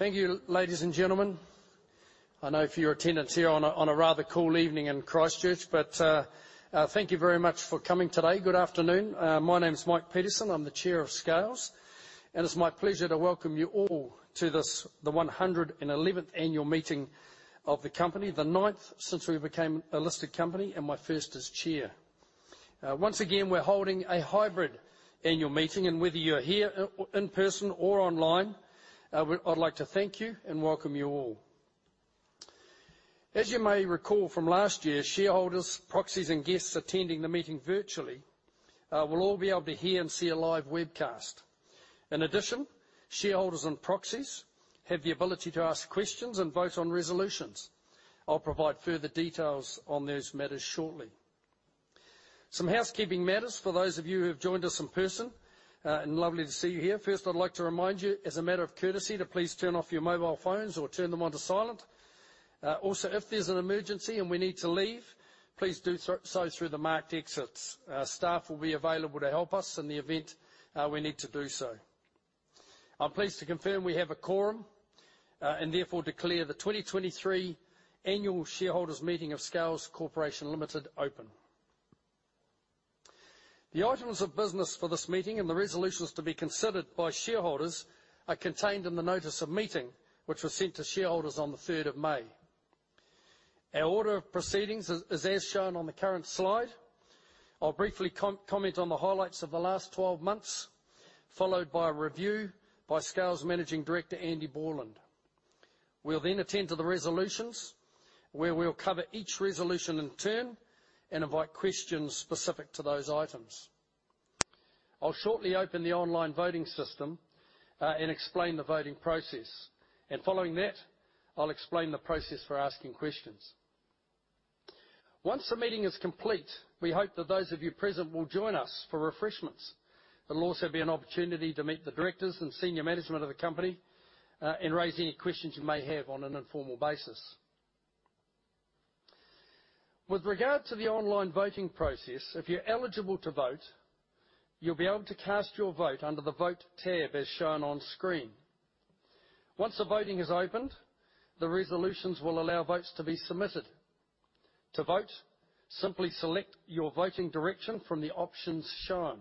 Thank you, ladies and gentlemen. I know for your attendance here on a rather cool evening in Christchurch, but thank you very much for coming today. Good afternoon. My name is Mike Petersen. I'm the Chair of Scales, and it's my pleasure to welcome you all to this, the 111th annual meeting of the company, the ninth since we became a listed company, and my first as Chair. Once again, we're holding a hybrid annual meeting, and whether you're here in person or online, I'd like to thank you and welcome you all. As you may recall from last year, shareholders, proxies, and guests attending the meeting virtually, will all be able to hear and see a live webcast. In addition, shareholders and proxies have the ability to ask questions and vote on resolutions. I'll provide further details on those matters shortly. Some housekeeping matters for those of you who have joined us in person, and lovely to see you here. First, I'd like to remind you, as a matter of courtesy, to please turn off your mobile phones or turn them onto silent. Also, if there's an emergency and we need to leave, please do so through the marked exits. Staff will be available to help us in the event we need to do so. I'm pleased to confirm we have a quorum, and therefore, declare the 2023 Annual Shareholders Meeting of Scales Corporation Limited open. The items of business for this meeting and the resolutions to be considered by shareholders are contained in the notice of meeting, which was sent to shareholders on the 3rd of May. Our order of proceedings is as shown on the current slide. I'll briefly comment on the highlights of the last 12 months, followed by a review by Scales' Managing Director, Andrew Borland. We'll attend to the resolutions, where we'll cover each resolution in turn and invite questions specific to those items. I'll shortly open the online voting system and explain the voting process. Following that, I'll explain the process for asking questions. Once the meeting is complete, we hope that those of you present will join us for refreshments. There'll also be an opportunity to meet the directors and senior management of the company and raise any questions you may have on an informal basis. With regard to the online voting process, if you're eligible to vote, you'll be able to cast your vote under the Vote tab as shown on screen. Once the voting is opened, the resolutions will allow votes to be submitted. To vote, simply select your voting direction from the options shown.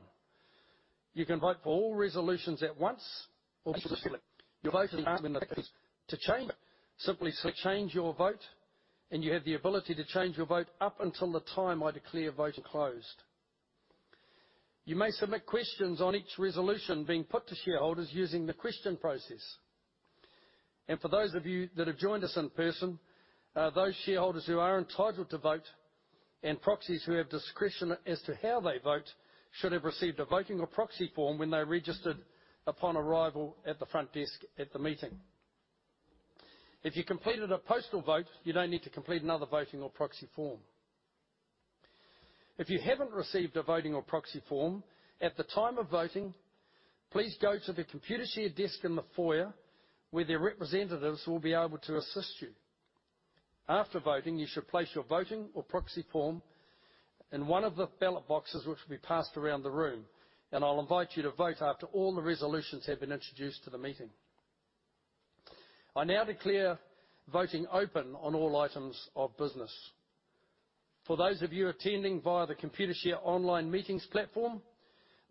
You can vote for all resolutions at once or specifically. To change, simply select Change Your Vote, and you have the ability to change your vote up until the time I declare voting closed. You may submit questions on each resolution being put to shareholders using the question process. For those of you that have joined us in person, those shareholders who are entitled to vote and proxies who have discretion as to how they vote, should have received a voting or proxy form when they registered upon arrival at the front desk at the meeting. If you completed a postal vote, you don't need to complete another voting or proxy form. If you haven't received a voting or proxy form, at the time of voting, please go to the Computershare desk in the foyer, where their representatives will be able to assist you. After voting, you should place your voting or proxy form in one of the ballot boxes, which will be passed around the room, and I'll invite you to vote after all the resolutions have been introduced to the meeting. I now declare voting open on all items of business. For those of you attending via the Computershare online meetings platform,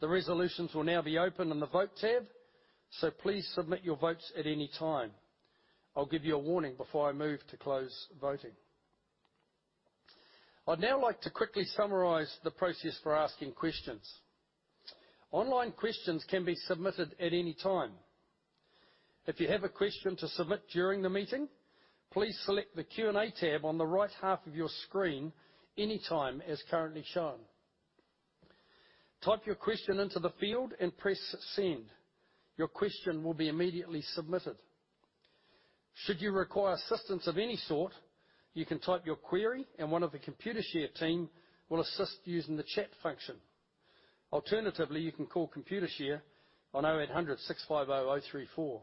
the resolutions will now be open in the Vote tab, so please submit your votes at any time. I'll give you a warning before I move to close voting. I'd now like to quickly summarize the process for asking questions. Online questions can be submitted at any time. If you have a question to submit during the meeting, please select the Q&A tab on the right half of your screen anytime as currently shown. Type your question into the field and press Send. Your question will be immediately submitted. Should you require assistance of any sort, you can type your query, and one of the Computershare team will assist using the chat function. Alternatively, you can call Computershare on 0800-650-034.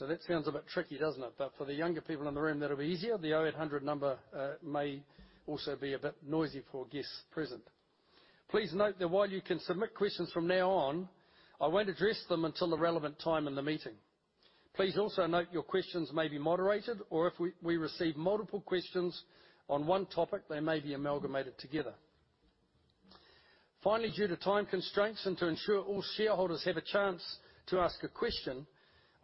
That sounds a bit tricky, doesn't it? For the younger people in the room, that'll be easier. The 0800 number may also be a bit noisy for guests present. Please note that while you can submit questions from now on, I won't address them until the relevant time in the meeting. Please also note your questions may be moderated, or if we receive multiple questions on one topic, they may be amalgamated together. Due to time constraints and to ensure all shareholders have a chance to ask a question,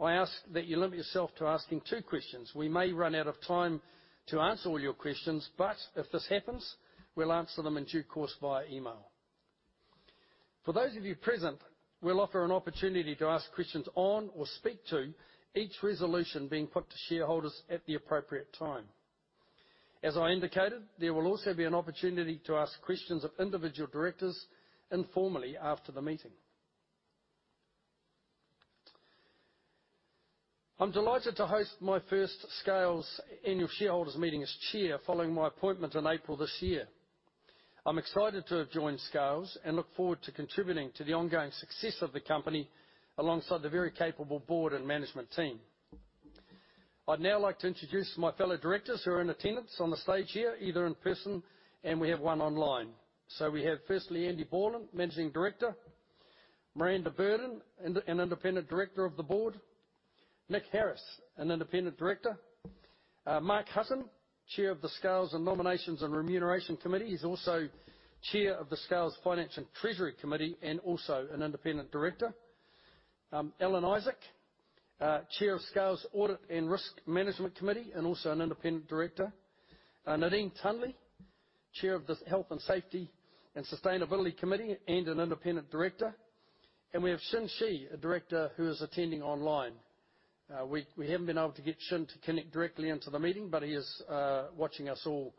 I ask that you limit yourself to asking two questions. We may run out of time to answer all your questions, if this happens, we'll answer them in due course via email. For those of you present, we'll offer an opportunity to ask questions on or speak to each resolution being put to shareholders at the appropriate time. As I indicated, there will also be an opportunity to ask questions of individual Directors informally after the meeting. I'm delighted to host my 1st Scales annual shareholders meeting as Chair following my appointment in April this year. I'm excited to have joined Scales and look forward to contributing to the ongoing success of the company alongside the very capable board and management team. I'd now like to introduce my fellow directors who are in attendance on the stage here, either in person, and we have one online. We have firstly, Andrew Borland, Managing Director. Miranda Burdon, an independent director of the board. Nicholas Harris, an independent director. Mark Hutton, Chair of the Scales and Nominations and Remuneration Committee. He's also Chair of the Scales Finance and Treasury Committee, and also an independent director. Alan Isaac, Chair of Scales Audit and Risk Management Committee, and also an independent director. Nadine Tunley, Chair of the Health & Safety and Sustainability Committee, and an independent director. We have Qi Xin, a director who is attending online. We haven't been able to get Xin to connect directly into the meeting, but he is watching us all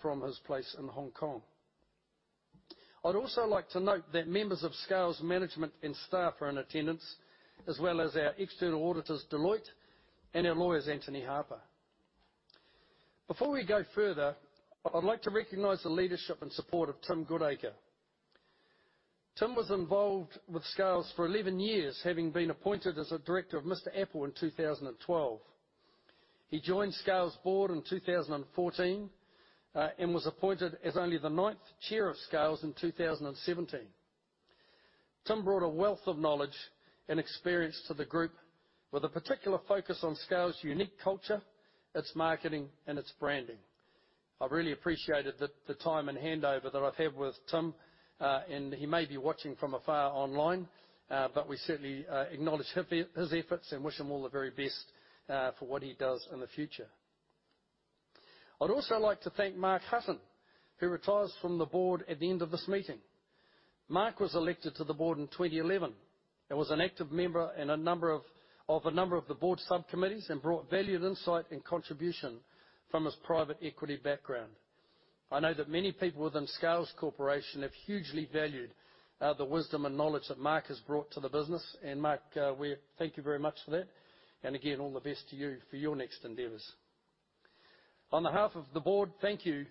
from his place in Hong Kong. I'd also like to note that members of Scales Management and staff are in attendance, as well as our external auditors, Deloitte, and our lawyers, Anthony Harper. Before we go further, I'd like to recognize the leadership and support of Tim Goodacre. Tim was involved with Scales for 11 years, having been appointed as a director of Mr. Apple in 2012. He joined Scales board in 2014, and was appointed as only the ninth Chair of Scales in 2017. Tim brought a wealth of knowledge and experience to the group, with a particular focus on Scales' unique culture, its marketing and its branding. I've really appreciated the time and handover that I've had with Tim, and he may be watching from afar online, but we certainly acknowledge his efforts and wish him all the very best for what he does in the future. I'd also like to thank Mark Hutton, who retires from the board at the end of this meeting. Mark was elected to the board in 2011, and was an active member in a number of the board subcommittees, and brought valued insight and contribution from his private equity background. I know that many people within Scales Corporation have hugely valued the wisdom and knowledge that Mark has brought to the business, and Mark, we thank you very much for that, and again, all the best to you for your next endeavors. On behalf of the board, thank you,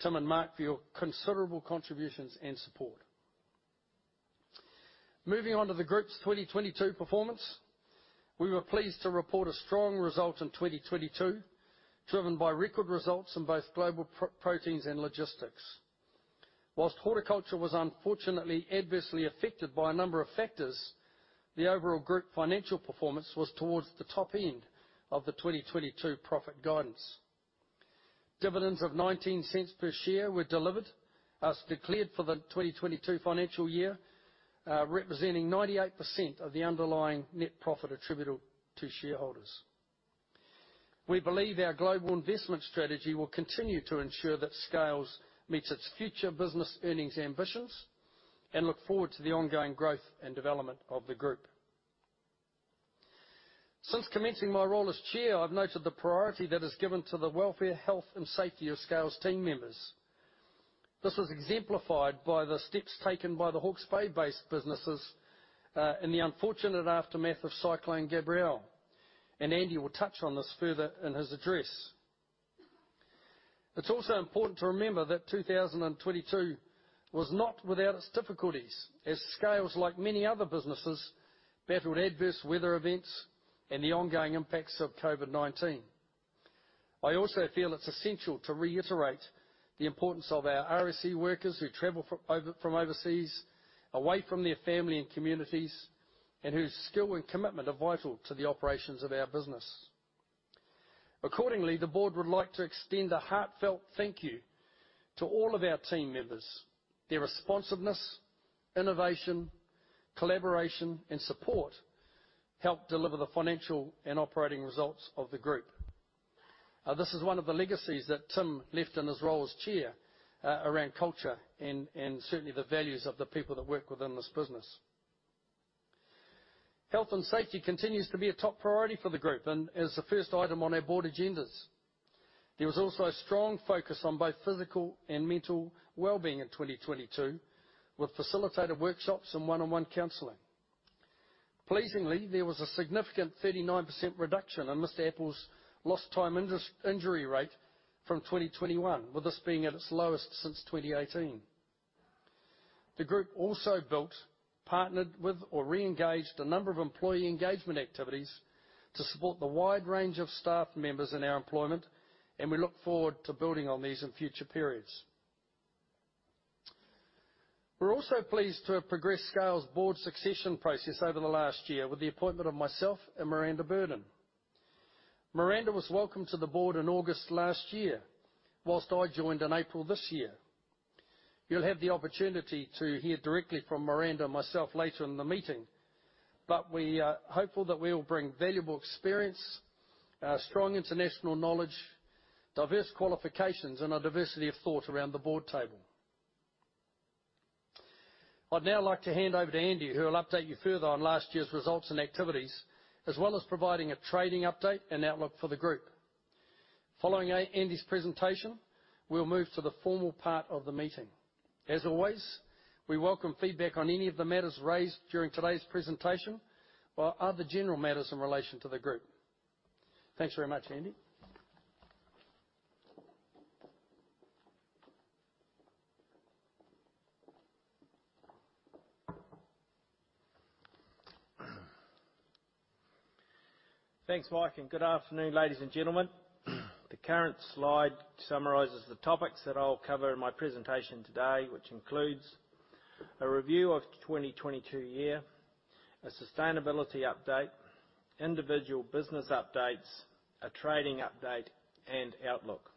Tim and Mark, for your considerable contributions and support. Moving on to the group's 2022 performance. We were pleased to report a strong result in 2022, driven by record results in both Global Proteins and logistics. Whilst horticulture was unfortunately adversely affected by a number of factors, the overall group financial performance was towards the top end of the 2022 profit guidance. Dividends of 0.19 per share were delivered, as declared for the 2022 financial year, representing 98% of the underlying net profit attributable to shareholders. We believe our global investment strategy will continue to ensure that Scales meets its future business earnings ambitions, and look forward to the ongoing growth and development of the group. Since commencing my role as Chair, I've noted the priority that is given to the welfare, health and safety of Scales team members. This is exemplified by the steps taken by the Hawke's Bay-based businesses, in the unfortunate aftermath of Cyclone Gabrielle, and Andrew will touch on this further in his address. It's also important to remember that 2022 was not without its difficulties, as Scales, like many other businesses, battled adverse weather events and the ongoing impacts of COVID-19. I also feel it's essential to reiterate the importance of our RSE workers, who travel from overseas, away from their family and communities, and whose skill and commitment are vital to the operations of our business. Accordingly, the board would like to extend a heartfelt thank you to all of our team members. Their responsiveness, innovation, collaboration and support helped deliver the financial and operating results of the group. This is one of the legacies that Tim left in his role as chair, around culture and certainly the values of the people that work within this business. Health and safety continues to be a top priority for the group and is the first item on our board agendas. There was also a strong focus on both physical and mental well-being in 2022, with facilitated workshops and one-on-one counseling. Pleasingly, there was a significant 39% reduction in Mr. Apple's lost time injury rate from 2021, with this being at its lowest since 2018. The group also built, partnered with or re-engaged a number of employee engagement activities to support the wide range of staff members in our employment. We look forward to building on these in future periods. We're also pleased to have progressed Scales' board succession process over the last year, with the appointment of myself and Miranda Burdon. Miranda was welcomed to the board in August last year, whilst I joined in April this year. You'll have the opportunity to hear directly from Miranda and myself later in the meeting, we are hopeful that we will bring valuable experience, strong international knowledge, diverse qualifications and a diversity of thought around the board table. I'd now like to hand over to Andrew, who will update you further on last year's results and activities, as well as providing a trading update and outlook for the group. Following Andrew's presentation, we'll move to the formal part of the meeting. As always, we welcome feedback on any of the matters raised during today's presentation or other general matters in relation to the group. Thanks very much, Andrew.... Thanks, Mike. Good afternoon, ladies and gentlemen. The current slide summarizes the topics that I'll cover in my presentation today, which includes a review of the 2022 year, a sustainability update, individual business updates, a trading update, and outlook.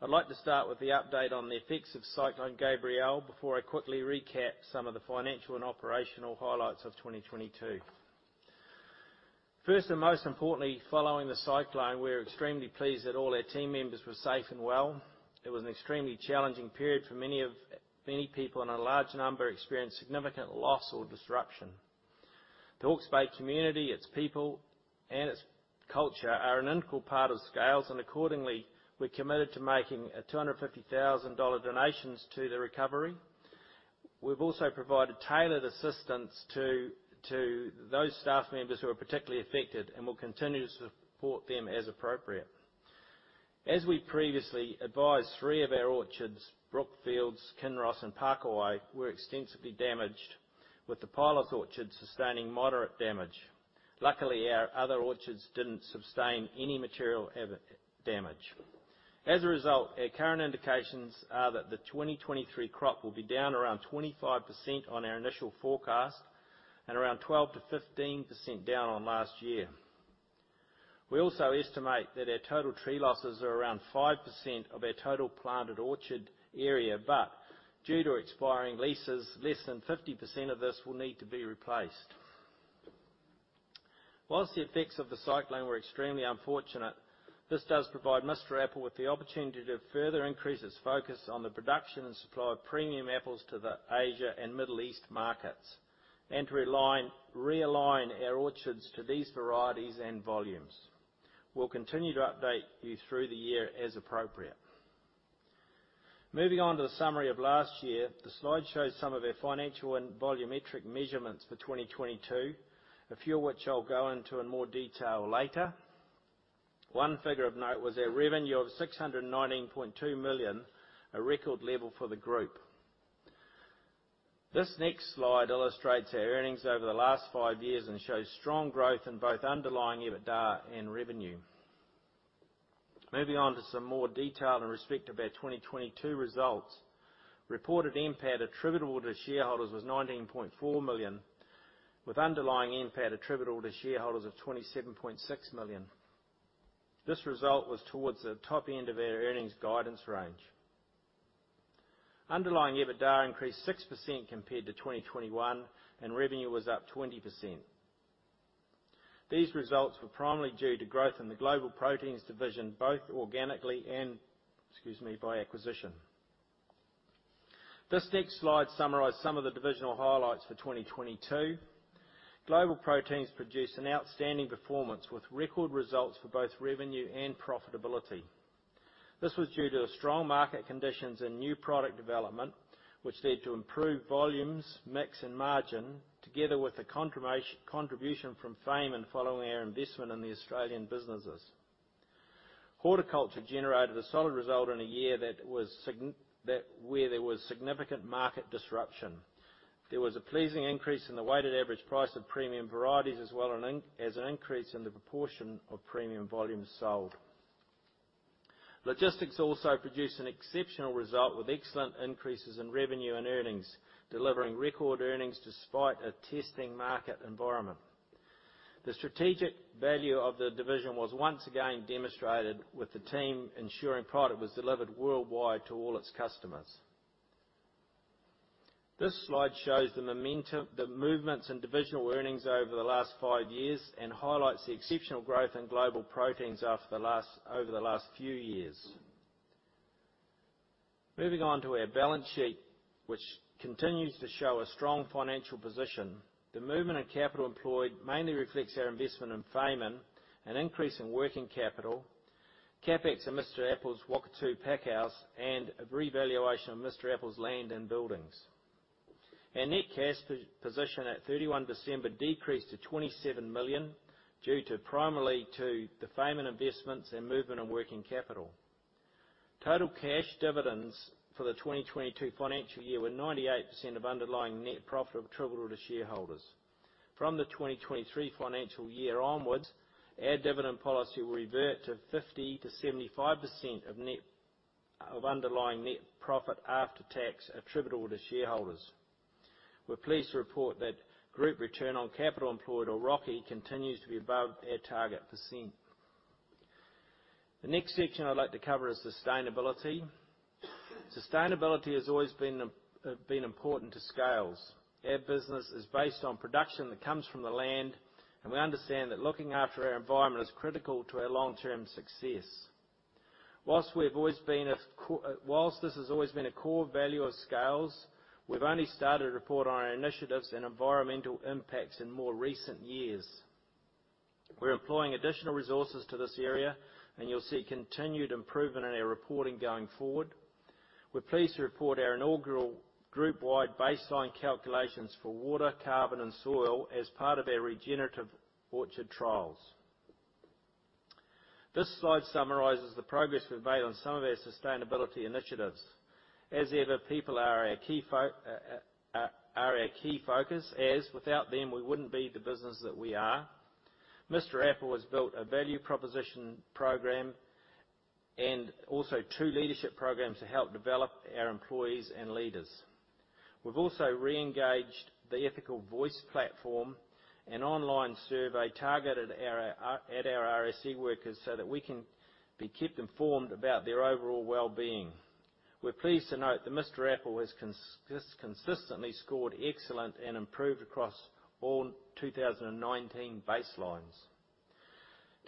I'd like to start with the update on the effects of Cyclone Gabrielle, before I quickly recap some of the financial and operational highlights of 2022. First, and most importantly, following the cyclone, we're extremely pleased that all our team members were safe and well. It was an extremely challenging period for many people, and a large number experienced significant loss or disruption. The Hawke's Bay community, its people, and its culture are an integral part of Scales. Accordingly, we're committed to making a 250,000 dollar donations to the recovery. We've also provided tailored assistance to those staff members who are particularly affected, and will continue to support them as appropriate. We previously advised, three of our orchards, Brookfields, Kinross, and Pakowhai, were extensively damaged, with the Piloth orchard sustaining moderate damage. Luckily, our other orchards didn't sustain any material damage. Our current indications are that the 2023 crop will be down around 25% on our initial forecast and around 12%-15% down on last year. We also estimate that our total tree losses are around 5% of our total planted orchard area, due to expiring leases, less than 50% of this will need to be replaced. Whilst the effects of the cyclone were extremely unfortunate, this does provide Mr. Apple with the opportunity to further increase its focus on the production and supply of premium apples to the Asia and Middle East markets, and to realign our orchards to these varieties and volumes. We'll continue to update you through the year as appropriate. Moving on to the summary of last year. The slide shows some of our financial and volumetric measurements for 2022, a few of which I'll go into in more detail later. One figure of note was our revenue of 619.2 million, a record level for the group. This next slide illustrates our earnings over the last five years and shows strong growth in both underlying EBITDA and revenue. Moving on to some more detail in respect of our 2022 results. Reported NPAT attributable to shareholders was 19.4 million, with underlying NPAT attributable to shareholders of 27.6 million. This result was towards the top end of our earnings guidance range. Underlying EBITDA increased 6% compared to 2021, and revenue was up 20%. These results were primarily due to growth in the Global Proteins division, both organically and, excuse me, by acquisition. This next slide summarizes some of the divisional highlights for 2022. Global Proteins produced an outstanding performance, with record results for both revenue and profitability. This was due to the strong market conditions and new product development, which led to improved volumes, mix, and margin, together with the contribution from Fayman and following our investment in the Australian businesses. Horticulture generated a solid result in a year where there was significant market disruption. There was a pleasing increase in the weighted average price of premium varieties, as well as an increase in the proportion of premium volumes sold. Logistics also produced an exceptional result, with excellent increases in revenue and earnings, delivering record earnings despite a testing market environment. The strategic value of the division was once again demonstrated, with the team ensuring product was delivered worldwide to all its customers. This slide shows the momentum, the movements in divisional earnings over the last five years and highlights the exceptional growth in Global Proteins over the last few years. Moving on to our balance sheet, which continues to show a strong financial position. The movement in capital employed mainly reflects our investment in Fayman, an increase in working capital, CapEx in Mr. Apple's Whakatu packhouse, and a revaluation of Mr. Apple's land and buildings. Our net cash position at 31 December decreased primarily to the Fayman investments and movement in working capital. Total cash dividends for the 2022 financial year were 98% of underlying net profit attributable to shareholders. The 2023 financial year onwards, our dividend policy will revert to 50%-75% of underlying net profit after tax attributable to shareholders. We're pleased to report that group return on capital employed, or ROCE, continues to be above our target %. The next section I'd like to cover is sustainability. Sustainability has always been important to Scales. Our business is based on production that comes from the land, we understand that looking after our environment is critical to our long-term success. Whilst this has always been a core value of Scales, we've only started to report on our initiatives and environmental impacts in more recent years. We're employing additional resources to this area. You'll see continued improvement in our reporting going forward. We're pleased to report our inaugural group-wide baseline calculations for water, carbon, and soil as part of our regenerative orchard trials. This slide summarizes the progress we've made on some of our sustainability initiatives. As ever, people are our key focus, as without them, we wouldn't be the business that we are. Mr. Apple has built a value proposition program and also two leadership programs to help develop our employees and leaders. We've also re-engaged the Ethical Voice platform, an online survey targeted at our RSE workers, so that we can be kept informed about their overall well-being. We're pleased to note that Mr. Apple has consistently scored excellent and improved across all 2019 baselines.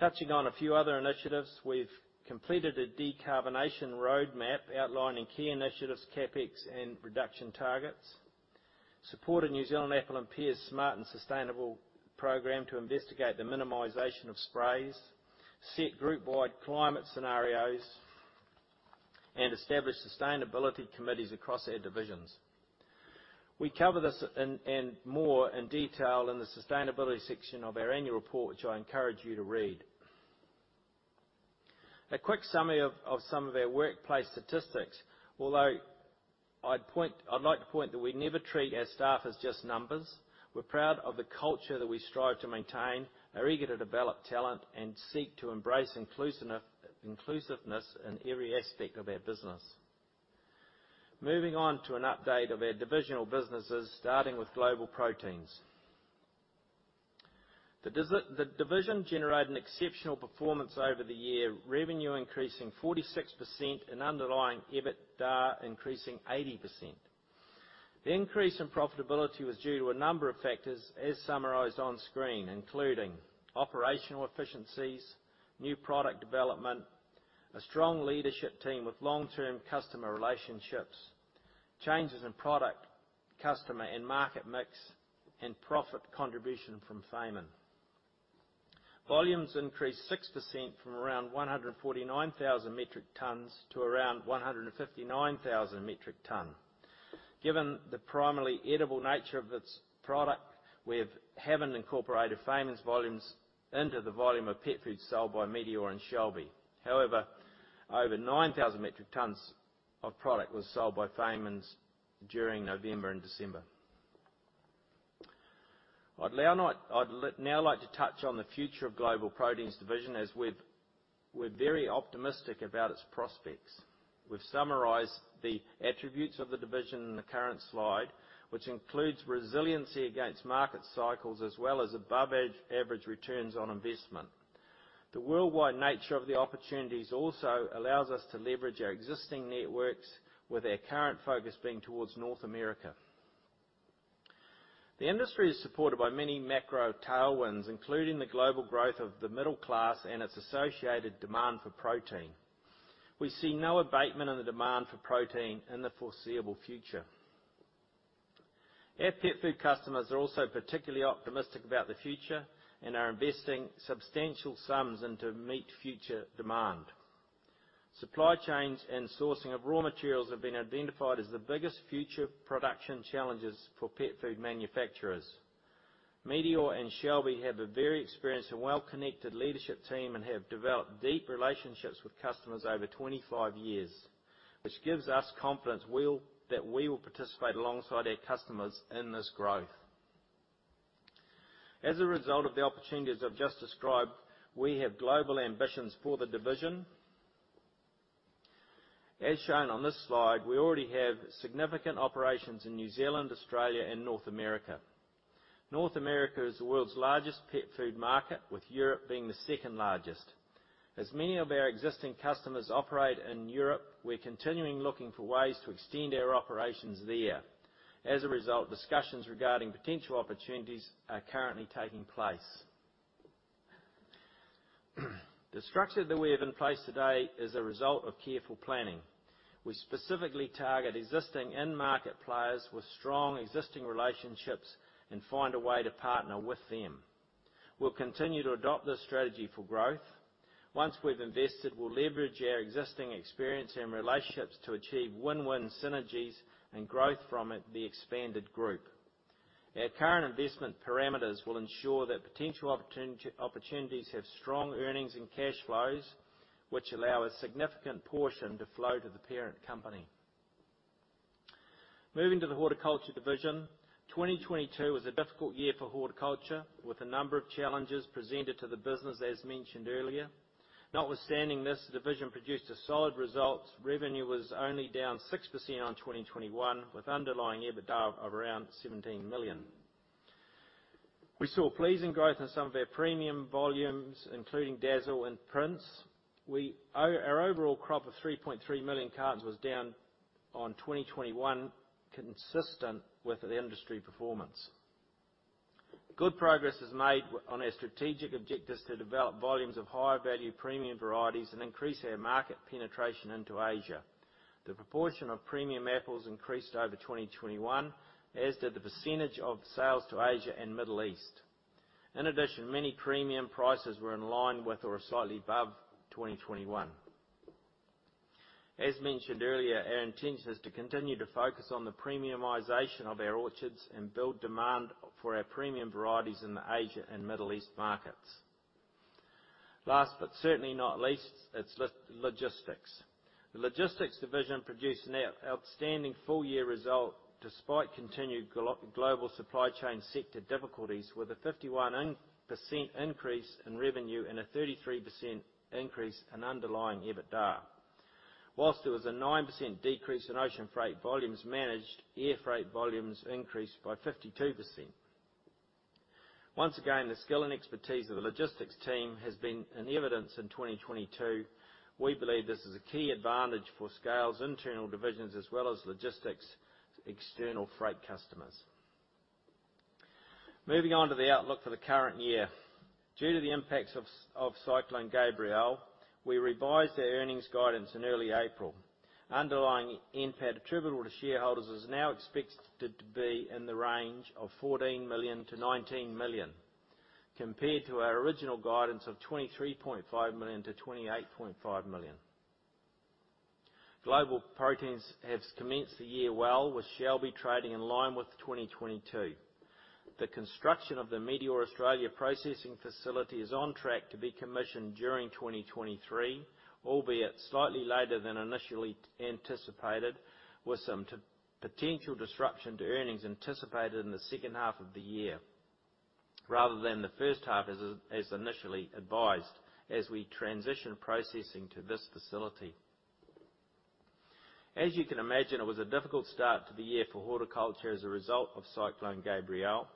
Touching on a few other initiatives, we've completed a decarbonization roadmap, outlining key initiatives, CapEx, and reduction targets. Supported New Zealand Apples and Pears' Smart and Sustainable program to investigate the minimization of sprays, set group-wide climate scenarios, and established sustainability committees across our divisions. We cover this and more in detail in the sustainability section of our annual report, which I encourage you to read. A quick summary of some of our workplace statistics, although I'd like to point that we never treat our staff as just numbers. We're proud of the culture that we strive to maintain, are eager to develop talent, and seek to embrace inclusiveness in every aspect of our business. Moving on to an update of our divisional businesses, starting with Global Proteins. The division generated an exceptional performance over the year, revenue increasing 46% and underlying EBITDA increasing 80%. The increase in profitability was due to a number of factors, as summarized on screen, including operational efficiencies, new product development, a strong leadership team with long-term customer relationships, changes in product, customer, and market mix, and profit contribution from Fayman. Volumes increased 6% from around 149,000 metric tons to around 159,000 metric ton. Given the primarily edible nature of its product, we haven't incorporated Fayman's volumes into the volume of pet food sold by Meateor and Shelby. Over 9,000 metric tons of product was sold by Fayman's during November and December. I'd now like to touch on the future of Global Proteins division, as we're very optimistic about its prospects. We've summarized the attributes of the division in the current slide, which includes resiliency against market cycles, as well as above average returns on investment. The worldwide nature of the opportunities also allows us to leverage our existing networks, with our current focus being towards North America. The industry is supported by many macro tailwinds, including the global growth of the middle class and its associated demand for protein. We see no abatement in the demand for protein in the foreseeable future. Our pet food customers are also particularly optimistic about the future and are investing substantial sums into meet future demand. Supply chains and sourcing of raw materials have been identified as the biggest future production challenges for pet food manufacturers. Meateor and Shelby have a very experienced and well-connected leadership team and have developed deep relationships with customers over 25 years, which gives us confidence that we will participate alongside our customers in this growth. As a result of the opportunities I've just described, we have global ambitions for the division. As shown on this slide, we already have significant operations in New Zealand, Australia, and North America. North America is the world's largest pet food market, with Europe being the second largest. As many of our existing customers operate in Europe, we're continuing looking for ways to extend our operations there. Discussions regarding potential opportunities are currently taking place. The structure that we have in place today is a result of careful planning. We specifically target existing end-market players with strong existing relationships and find a way to partner with them. We'll continue to adopt this strategy for growth. Once we've invested, we'll leverage our existing experience and relationships to achieve win-win synergies and growth from it, the expanded group. Our current investment parameters will ensure that potential opportunities have strong earnings and cash flows, which allow a significant portion to flow to the parent company. Moving to the Horticulture division, 2022 was a difficult year for horticulture, with a number of challenges presented to the business, as mentioned earlier. Notwithstanding this, the division produced a solid result. Revenue was only down 6% on 2021, with underlying EBITDA of around 17 million. We saw pleasing growth in some of our premium volumes, including Dazzle and Prince. Our overall crop of 3.3 million cartons was down on 2021, consistent with the industry performance. Good progress is made on our strategic objectives to develop volumes of higher value premium varieties and increase our market penetration into Asia. The proportion of premium apples increased over 2021, as did the % of sales to Asia and Middle East. In addition, many premium prices were in line with or slightly above 2021. As mentioned earlier, our intent is to continue to focus on the premiumization of our orchards and build demand for our premium varieties in the Asia and Middle East markets. Last, but certainly not least, it's logistics. The logistics division produced an outstanding full-year result despite continued global supply chain sector difficulties, with a 51% increase in revenue and a 33% increase in underlying EBITDA. Whilst there was a 9% decrease in ocean freight volumes managed, air freight volumes increased by 52%. Once again, the skill and expertise of the logistics team has been in evidence in 2022. We believe this is a key advantage for Scales' internal divisions, as well as logistics' external freight customers. Moving on to the outlook for the current year. Due to the impacts of Cyclone Gabrielle, we revised our earnings guidance in early April. Underlying NPAT attributable to shareholders is now expected to be in the range of 14 million-19 million, compared to our original guidance of 23.5 million-28.5 million. Global Proteins has commenced the year well, with Shelby trading in line with 2022. The construction of the Meateor Australia processing facility is on track to be commissioned during 2023, albeit slightly later than initially anticipated, with some potential disruption to earnings anticipated in the second half of the year, rather than the first half as initially advised, as we transition processing to this facility. As you can imagine, it was a difficult start to the year for horticulture as a result of Cyclone Gabrielle.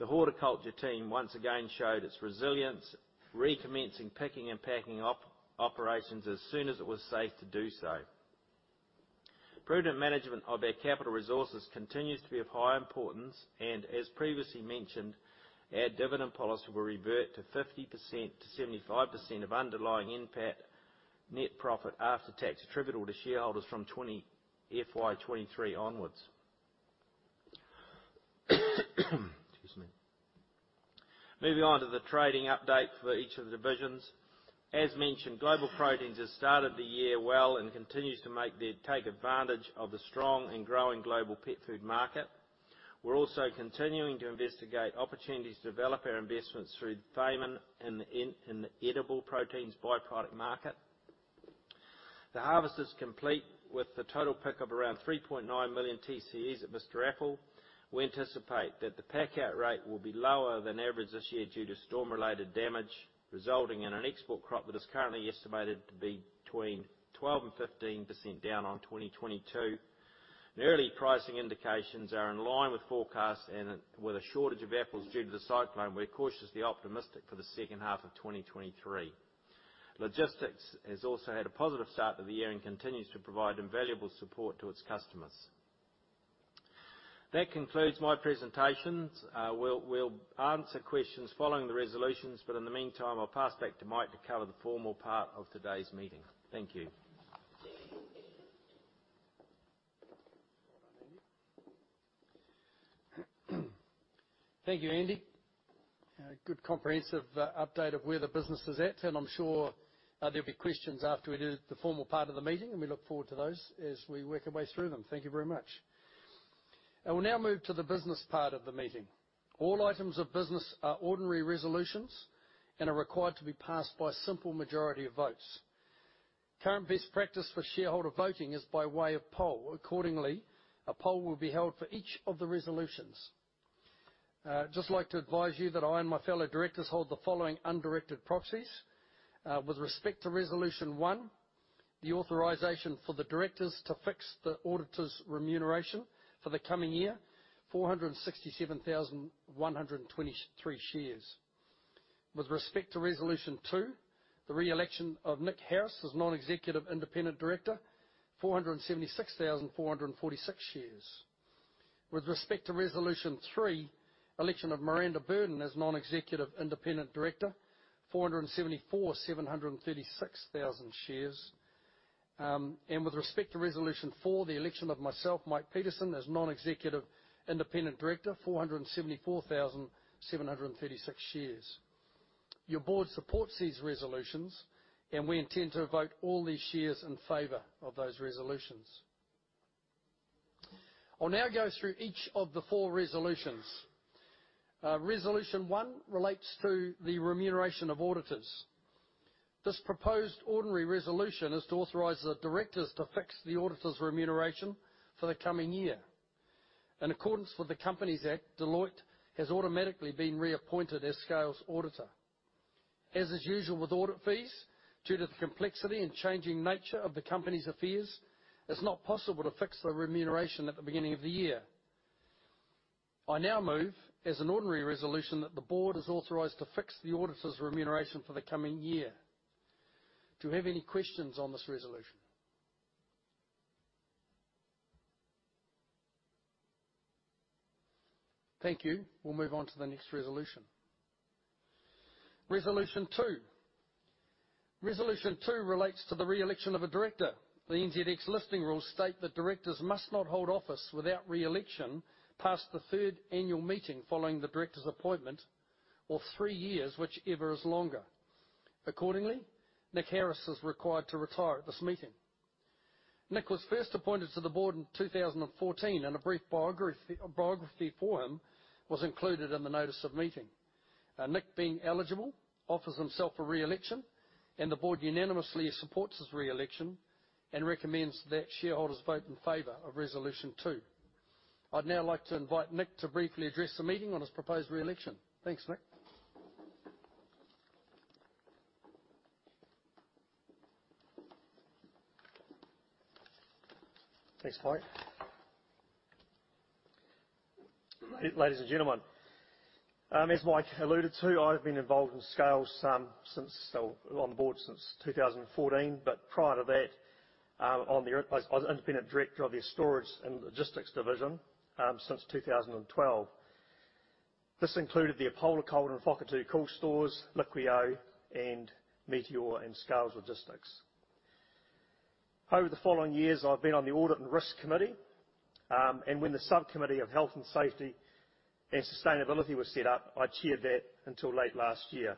The horticulture team once again showed its resilience, recommencing picking and packing operations as soon as it was safe to do so. Prudent management of our capital resources continues to be of high importance, and as previously mentioned, our dividend policy will revert to 50%-75% of underlying NPAT, net profit after tax, attributable to shareholders from FY 2023 onwards. Excuse me. Moving on to the trading update for each of the divisions. As mentioned, Global Proteins has started the year well and continues to take advantage of the strong and growing global pet food market. We're also continuing to investigate opportunities to develop our investments through Fayman in the edible proteins by-product market. The harvest is complete, with the total pick of around 3.9 million TCEs at Mr. Apple. We anticipate that the pack-out rate will be lower than average this year due to storm-related damage, resulting in an export crop that is currently estimated to be between 12% and 15% down on 2022. The early pricing indications are in line with forecast. With a shortage of apples due to the cyclone, we're cautiously optimistic for the second half of 2023. Logistics has also had a positive start to the year and continues to provide invaluable support to its customers. That concludes my presentations. We'll answer questions following the resolutions, in the meantime, I'll pass back to Mike to cover the formal part of today's meeting. Thank you. Thank you, Andrew. Good comprehensive update of where the business is at, and I'm sure, there'll be questions after we do the formal part of the meeting, and we look forward to those as we work our way through them. Thank you very much. I will now move to the business part of the meeting. All items of business are ordinary resolutions and are required to be passed by a simple majority of votes. Current best practice for shareholder voting is by way of poll. Accordingly, a poll will be held for each of the resolutions. Just like to advise you that I and my fellow directors hold the following undirected proxies. With respect to Resolution One, the authorization for the directors to fix the auditor's remuneration for the coming year, 467,123 shares. With respect to Resolution 2, the re-election of Nicholas Harris as Non-Executive Independent Director, 476,446 shares. With respect to Resolution 3, election of Miranda Burdon as Non-Executive Independent Director, 474,736 shares. With respect to Resolution 3, the election of myself, Mike Petersen, as Non-Executive Independent Director, 474,736 shares. Your board supports these resolutions, and we intend to vote all these shares in favor of those resolutions. I'll now go through each of the four resolutions. Resolution 1 relates to the remuneration of auditors. This proposed ordinary resolution is to authorize the directors to fix the auditor's remuneration for the coming year. In accordance with the Companies Act, Deloitte has automatically been reappointed as Scales' auditor. As is usual with audit fees, due to the complexity and changing nature of the company's affairs, it's not possible to fix the remuneration at the beginning of the year. I now move, as an ordinary resolution, that the board is authorized to fix the auditor's remuneration for the coming year. Do you have any questions on this resolution? Thank you. We'll move on to the next Resolution. Resolution 2. Resolution 2 relates to the re-election of a director. The NZX Listing Rules state that directors must not hold office without re-election past the third annual meeting following the director's appointment, or three years, whichever is longer. Accordingly, Nicholas Harris is required to retire at this meeting. Nicholas was first appointed to the board in 2014, and a brief biography for him was included in the notice of meeting. Nicholas, being eligible, offers himself for re-election, and the board unanimously supports his re-election and recommends that shareholders vote in favor of Resolution 2. I'd now like to invite Nicholas to briefly address the meeting on his proposed re-election. Thanks, Nicholas. Thanks, Mike. Ladies and gentlemen, as Mike alluded to, I've been involved in Scales since, or on board since 2014, prior to that, I was Independent Director of the Storage and Logistics division since 2012. This included the Apollo Cold and Whakatu Coldstores stores, Liqueo, and Meateor and Scales Logistics. Over the following years, I've been on the Audit and Risk Committee, when the Subcommittee of Health and Safety and Sustainability was set up, I chaired that until late last year.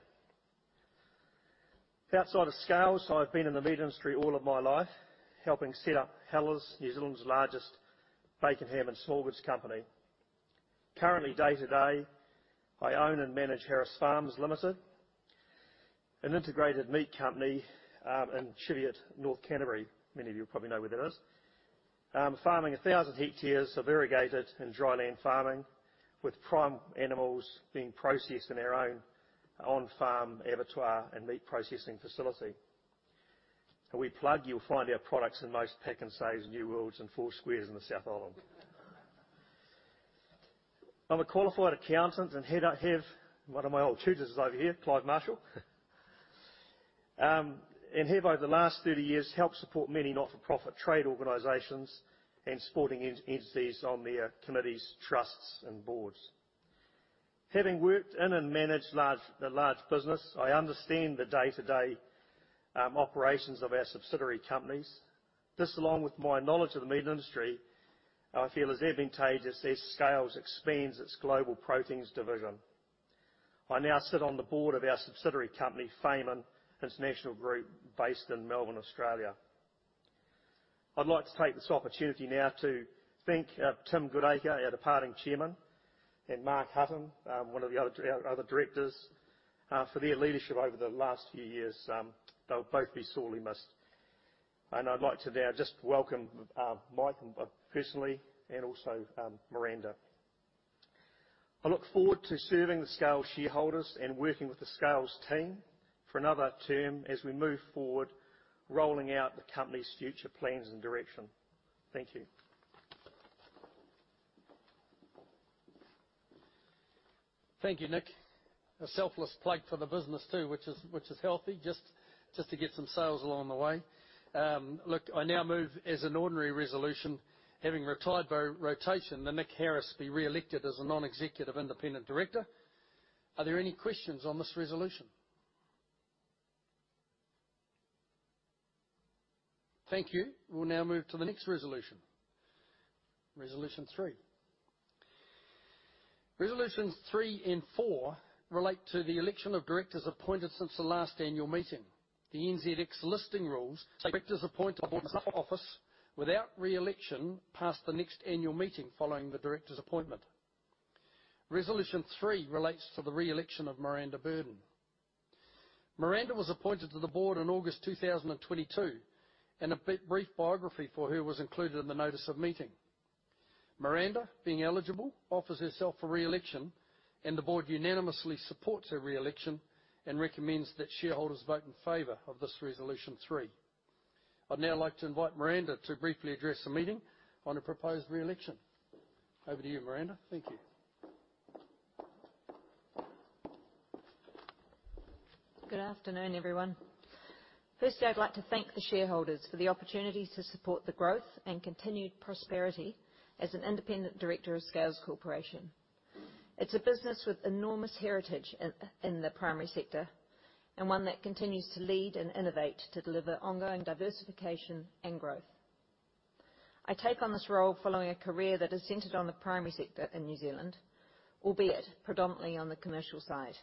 Outside of Scales, I've been in the meat industry all of my life, helping set up Hellers, New Zealand's largest bacon, ham, and small goods company. Currently, day to day, I own and manage Harris Farms Limited, an integrated meat company, in Cheviot, North Canterbury. Many of you probably know where that is. Farming 1,000 hectares of irrigated and dry land farming, with prime animals being processed in our own on-farm abattoir and meat processing facility. If we plug, you'll find our products in most PAK'nSAVEs, New Worlds, and Four Squares in the South Island. I'm a qualified accountant, and here I have one of my old tutors is over here, Clive Marshall. And have, over the last 30 years, helped support many not-for-profit trade organizations and sporting entities on their committees, trusts, and boards. Having worked in and managed a large business, I understand the day-to-day operations of our subsidiary companies. This, along with my knowledge of the meat industry, I feel, is advantageous as Scales expands its Global Proteins division. I now sit on the board of our subsidiary company, Fayman International Group, based in Melbourne, Australia. I'd like to take this opportunity now to thank Tim Goodacre, our departing Chairman, and Mark Hutton, one of the other, our other directors, for their leadership over the last few years. They'll both be sorely missed. I'd like to now just welcome Mike Petersen and also Miranda. I look forward to serving the Scales shareholders and working with the Scales team for another term as we move forward, rolling out the company's future plans and direction. Thank you. Thank you, Nicholas. A selfless plug for the business, too, which is healthy, just to get some sales along the way. Look, I now move as an ordinary resolution, having retired by rotation, that Nicholas Harris be re-elected as a Non-Executive Independent Director. Are there any questions on this resolution? Thank you. We'll now move to the next resolution, Resolution 3. Resolutions 3 and 4 relate to the election of directors appointed since the last annual meeting. The NZX Listing Rules, directors appointed by office without re-election, past the next annual meeting following the director's appointment. Resolution 3 relates to the re-election of Miranda Burdon. Miranda was appointed to the board in August 2022, and a brief biography for her was included in the notice of meeting. Miranda, being eligible, offers herself for re-election. The board unanimously supports her re-election and recommends that shareholders vote in favor of this Resolution 3. I'd now like to invite Miranda to briefly address the meeting on her proposed re-election. Over to you, Miranda. Thank you. Good afternoon, everyone. Firstly, I'd like to thank the shareholders for the opportunity to support the growth and continued prosperity as an independent director of Scales Corporation. It's a business with enormous heritage in the primary sector and one that continues to lead and innovate to deliver ongoing diversification and growth. I take on this role following a career that is centered on the primary sector in New Zealand, albeit predominantly on the commercial side,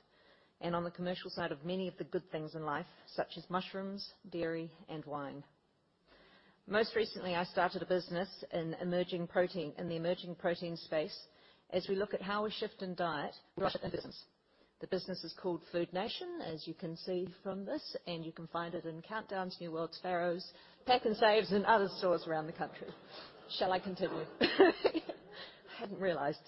and on the commercial side of many of the good things in life, such as mushrooms, dairy, and wine. Most recently, I started a business in emerging protein, in the emerging protein space, as we look at how we shift in diet business. The business is called Food Nation, as you can see from this, and you can find it in Countdowns, New Worlds, Farros, PAK'nSaves, and other stores around the country. Shall I continue? I hadn't realized.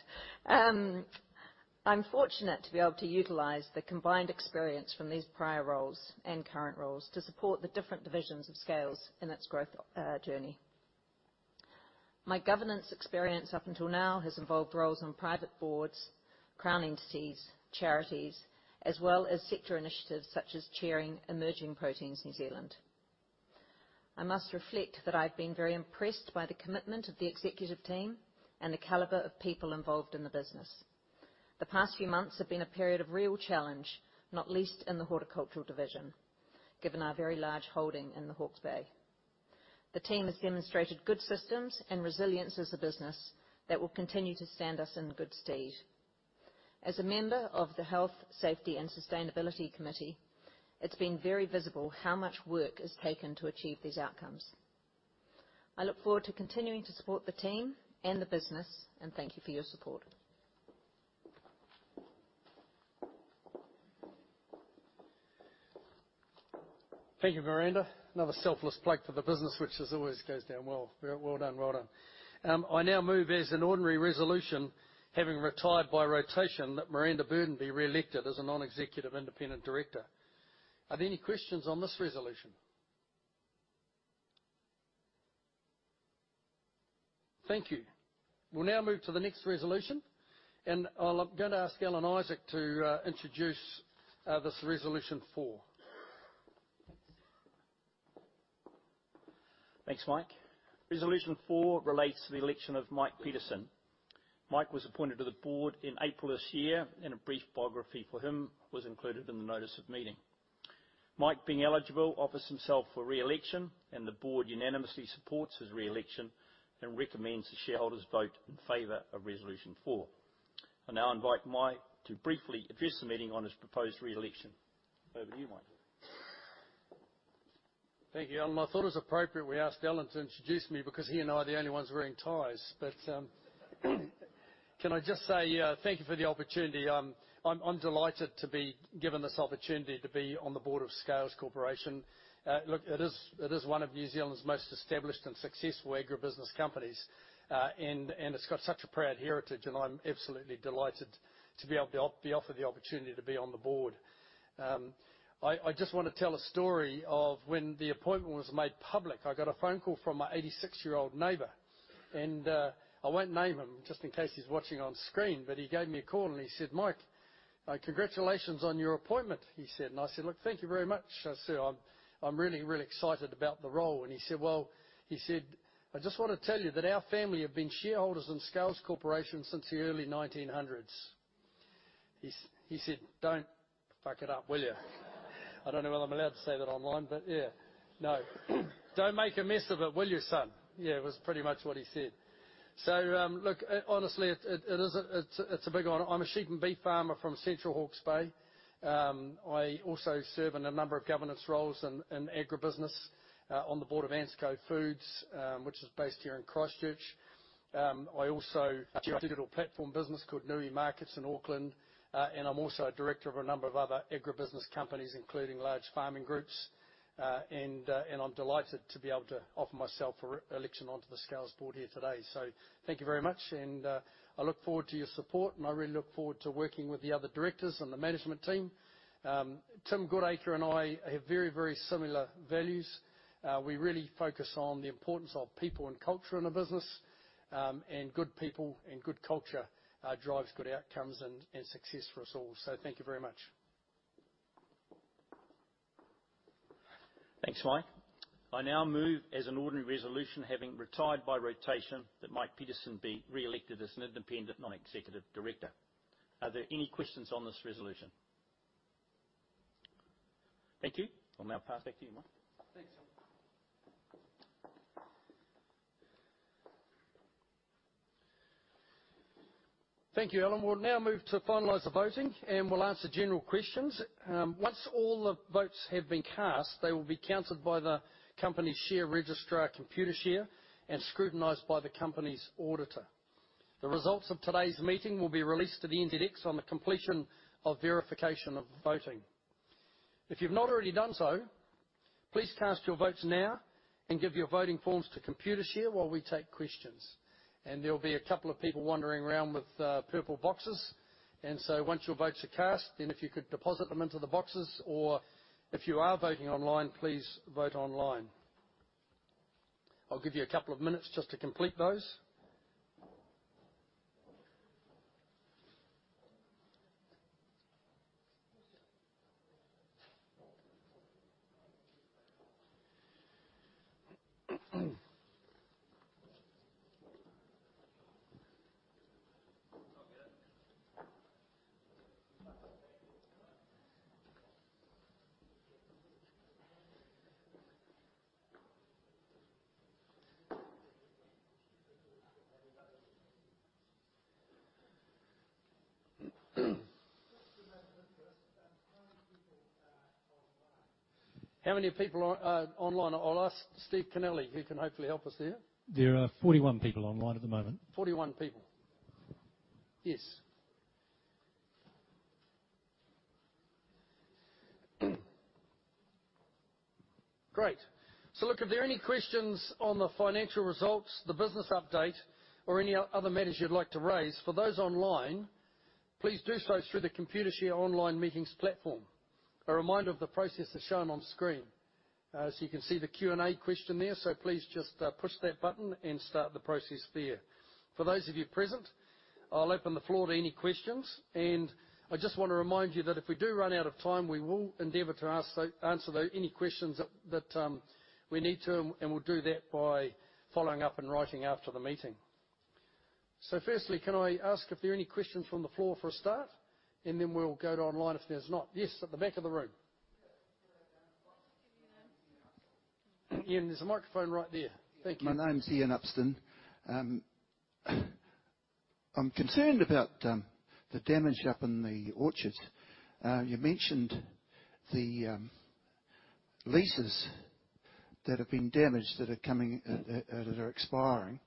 I'm fortunate to be able to utilize the combined experience from these prior roles and current roles to support the different divisions of Scales in its growth journey. My governance experience up until now has involved roles on private boards, crown entities, charities, as well as sector initiatives such as chairing Emerging Proteins New Zealand. I must reflect that I've been very impressed by the commitment of the executive team and the caliber of people involved in the business. The past few months have been a period of real challenge, not least in the Horticultural Division, given our very large holding in the Hawke's Bay. The team has demonstrated good systems and resilience as a business that will continue to stand us in good stead. As a member of the Health, Safety, and Sustainability Committee, it's been very visible how much work is taken to achieve these outcomes. I look forward to continuing to support the team and the business, and thank you for your support. Thank you, Miranda. Another selfless plug for the business, which as always, goes down well. Very well done, well done. I now move as an ordinary resolution, having retired by rotation, that Miranda Burdon be re-elected as a non-executive independent director. Are there any questions on this resolution? Thank you. We'll now move to the next resolution. I'm gonna ask Alan Isaac to introduce this Resolution 4. Thanks, Mike. Resolution 4 relates to the election of Mike Petersen. Mike was appointed to the board in April this year, and a brief biography for him was included in the notice of meeting. Mike, being eligible, offers himself for re-election, and the board unanimously supports his re-election and recommends the shareholders vote in favor of Resolution 4. I now invite Mike to briefly address the meeting on his proposed re-election. Over to you, Mike. Thank you, Alan. I thought it was appropriate we asked Alan to introduce me because he and I are the only ones wearing ties. Can I just say, thank you for the opportunity. I'm delighted to be given this opportunity to be on the board of Scales Corporation. Look, it is one of New Zealand's most established and successful agribusiness companies. It's got such a proud heritage, and I'm absolutely delighted to be able to be offered the opportunity to be on the board. I just wanna tell a story of when the appointment was made public. I got a phone call from my 86-year-old neighbor, and I won't name him, just in case he's watching on screen, but he gave me a call, and he said, "Mike, congratulations on your appointment," he said. I said: "Look, thank you very much." I said, "I'm really excited about the role." He said, well, he said, "I just want to tell you that our family have been shareholders in Scales Corporation since the early 1900s." He said, "Don't fuck it up, will you?" I don't know whether I'm allowed to say that online, but yeah. "Don't make a mess of it, will you, son?" It was pretty much what he said. Honestly, it's a big honor. I'm a sheep and beef farmer from Central Hawke's Bay. I also serve in a number of governance roles in agribusiness, on the board of ANZCO Foods, which is based here in Christchurch. I also chair a digital platform business called Nui Markets in Auckland, and I'm also a director of a number of other agribusiness companies, including large farming groups. And I'm delighted to be able to offer myself for re-election onto the Scales board here today. Thank you very much, and I look forward to your support, and I really look forward to working with the other directors and the management team. Tim Goodacre and I have very, very similar values. We really focus on the importance of people and culture in a business. And good people and good culture, drives good outcomes and success for us all. Thank you very much. Thanks, Mike. I now move as an ordinary resolution, having retired by rotation, that Mike Petersen be re-elected as an Independent, Non-Executive Director. Are there any questions on this resolution? Thank you. I'll now pass back to you, Mike. Thanks, Alan. Thank you, Alan. We'll now move to finalize the voting, and we'll answer general questions. Once all the votes have been cast, they will be counted by the company's share registrar, Computershare, and scrutinized by the company's auditor. The results of today's meeting will be released to the NZX on the completion of verification of the voting. If you've not already done so, please cast your votes now and give your voting forms to Computershare while we take questions. There'll be a couple of people wandering around with purple boxes. Once your votes are cast, then if you could deposit them into the boxes, or if you are voting online, please vote online. I'll give you a couple of minutes just to complete those. How many people are online? How many people are online? I'll ask Steve Kennelly, who can hopefully help us there. There are 41 people online at the moment. 41 people. Yes. Great. Look, if there are any questions on the financial results, the business update, or any other matters you'd like to raise, for those online, please do so through the Computershare online meetings platform. A reminder of the process is shown on screen. You can see the Q&A question there, so please just push that button and start the process there. For those of you present, I'll open the floor to any questions, and I just want to remind you that if we do run out of time, we will endeavor to ask, answer the any questions that we need to, and we'll do that by following up in writing after the meeting. Firstly, can I ask if there are any questions from the floor for a start? Then we'll go to online if there's not. Yes, at the back of the room. Ian, there's a microphone right there. Thank you. My name's Ian Upston. I'm concerned about the damage up in the orchard. You mentioned the leases that have been damaged, that are expiring.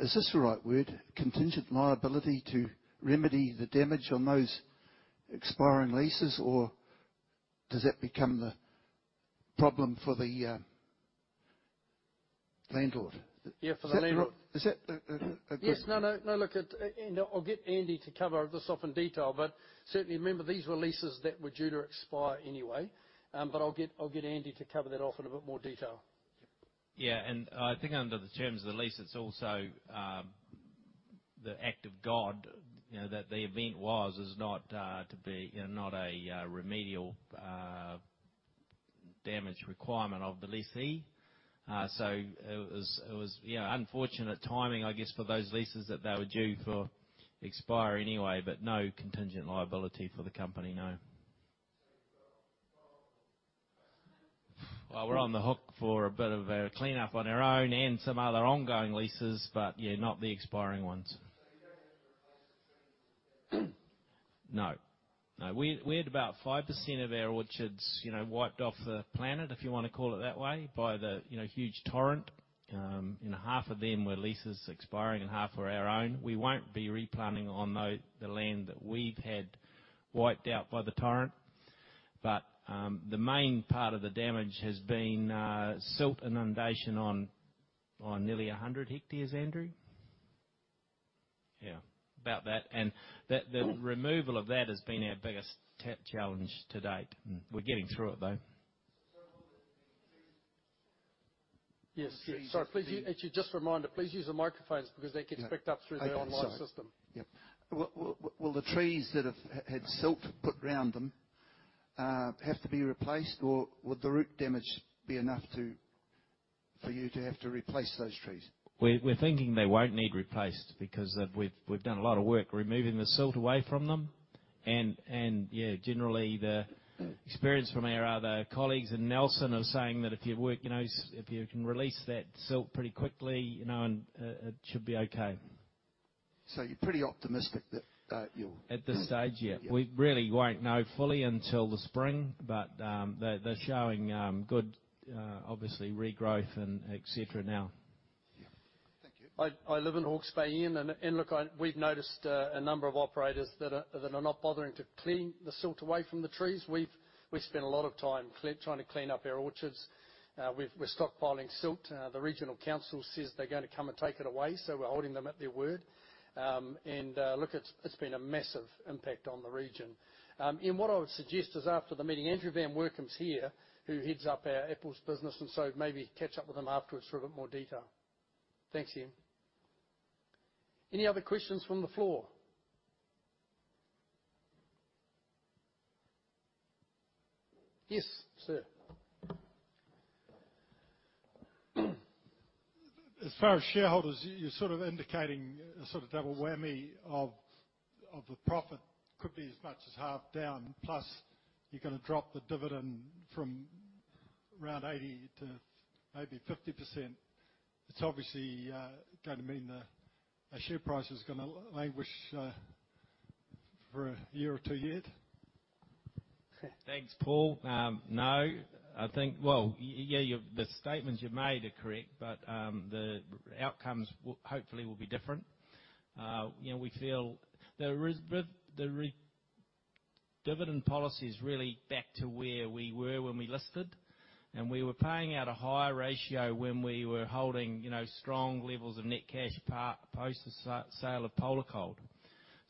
Is this the right word, contingent liability to remedy the damage on those expiring leases, or does that become the problem for the landlord? Yeah, for the landlord. Is that, uh, uh, a- Yes. No, no. No, look, I'll get Andrew to cover this off in detail, but certainly remember, these were leases that were due to expire anyway. I'll get Andrew to cover that off in a bit more detail. Yep. Yeah, I think under the terms of the lease, it's also the act of God, you know, that the event was, is not to be, you know, not a remedial damage requirement of the lessee. It was, yeah, unfortunate timing, I guess, for those leases, that they were due for expiry anyway, but no contingent liability for the company, no. Well, we're on the hook for a bit of a cleanup on our own and some other ongoing leases, but yeah, not the expiring ones. No. No, we had about 5% of our orchards, you know, wiped off the planet, if you wanna call it that way, by the, you know, huge torrent. Half of them were leases expiring and half were our own. We won't be replanting on those, the land that we've had wiped out by the torrent, but, the main part of the damage has been, silt inundation on nearly 100 hectares, Andrew? Yeah, about that. Mm. The removal of that has been our biggest challenge to date. We're getting through it, though. Yes, sir, please. Actually, just a reminder, please use the microphones because they... Yeah. picked up through the online system. Okay, sorry. Yep. Will the trees that have had silt put around them have to be replaced, or would the root damage be enough to, for you to have to replace those trees? We're thinking they won't need replaced because we've done a lot of work removing the silt away from them. Yeah, generally. Mm... experience from our other colleagues in Nelson are saying that if you work, you know, if you can release that silt pretty quickly, you know, and it should be okay. You're pretty optimistic that? At this stage, yeah. Yeah. We really won't know fully until the spring, but they're showing good, obviously, regrowth and et cetera now. Yeah. Thank you. I live in Hawke's Bay, Ian, and look. We've noticed a number of operators that are not bothering to clean the silt away from the trees. We've spent a lot of time trying to clean up our orchards. We're stockpiling silt. The regional council says they're gonna come and take it away, so we're holding them at their word. Look, it's been a massive impact on the region. Ian, what I would suggest is, after the meeting, Andrew van Workum is here, who heads up our apples business, maybe catch up with him afterwards for a bit more detail. Thanks, Ian. Any other questions from the floor? Yes, sir. As far as shareholders, you're sort of indicating a sort of double whammy of the profit. Could be as much as half down, plus you're gonna drop the dividend from around 80 to maybe 50%. It's obviously going to mean the share price is gonna languish for a year or two yet? Thanks, Paul. No, I think. Well, yeah, your statements you made are correct, but hopefully will be different. You know, we feel the dividend policy is really back to where we were when we listed, and we were paying out a higher ratio when we were holding, you know, strong levels of net cash post the sale of Polarcold.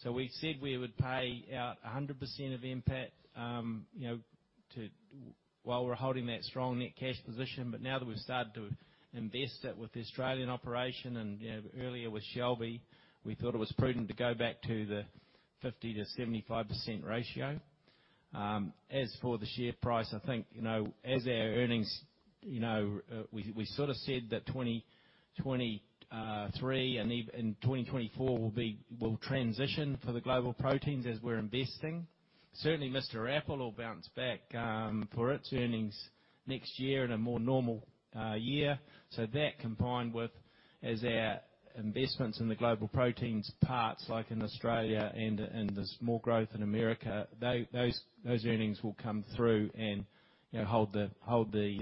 We said we would pay out 100% of the impact, you know, while we're holding that strong net cash position. Now that we've started to invest it with the Australian operation, and, you know, earlier with Shelby, we thought it was prudent to go back to the 50%-75% ratio. As for the share price, I think, you know, as our earnings, you know, we sort of said that 2023, and 2024 will transition for the Global Proteins as we're investing. Certainly, Mr. Apple will bounce back for its earnings next year in a more normal year. That, combined with, as our investments in the Global Proteins parts, like in Australia and the small growth in America, those earnings will come through and, you know, hold the.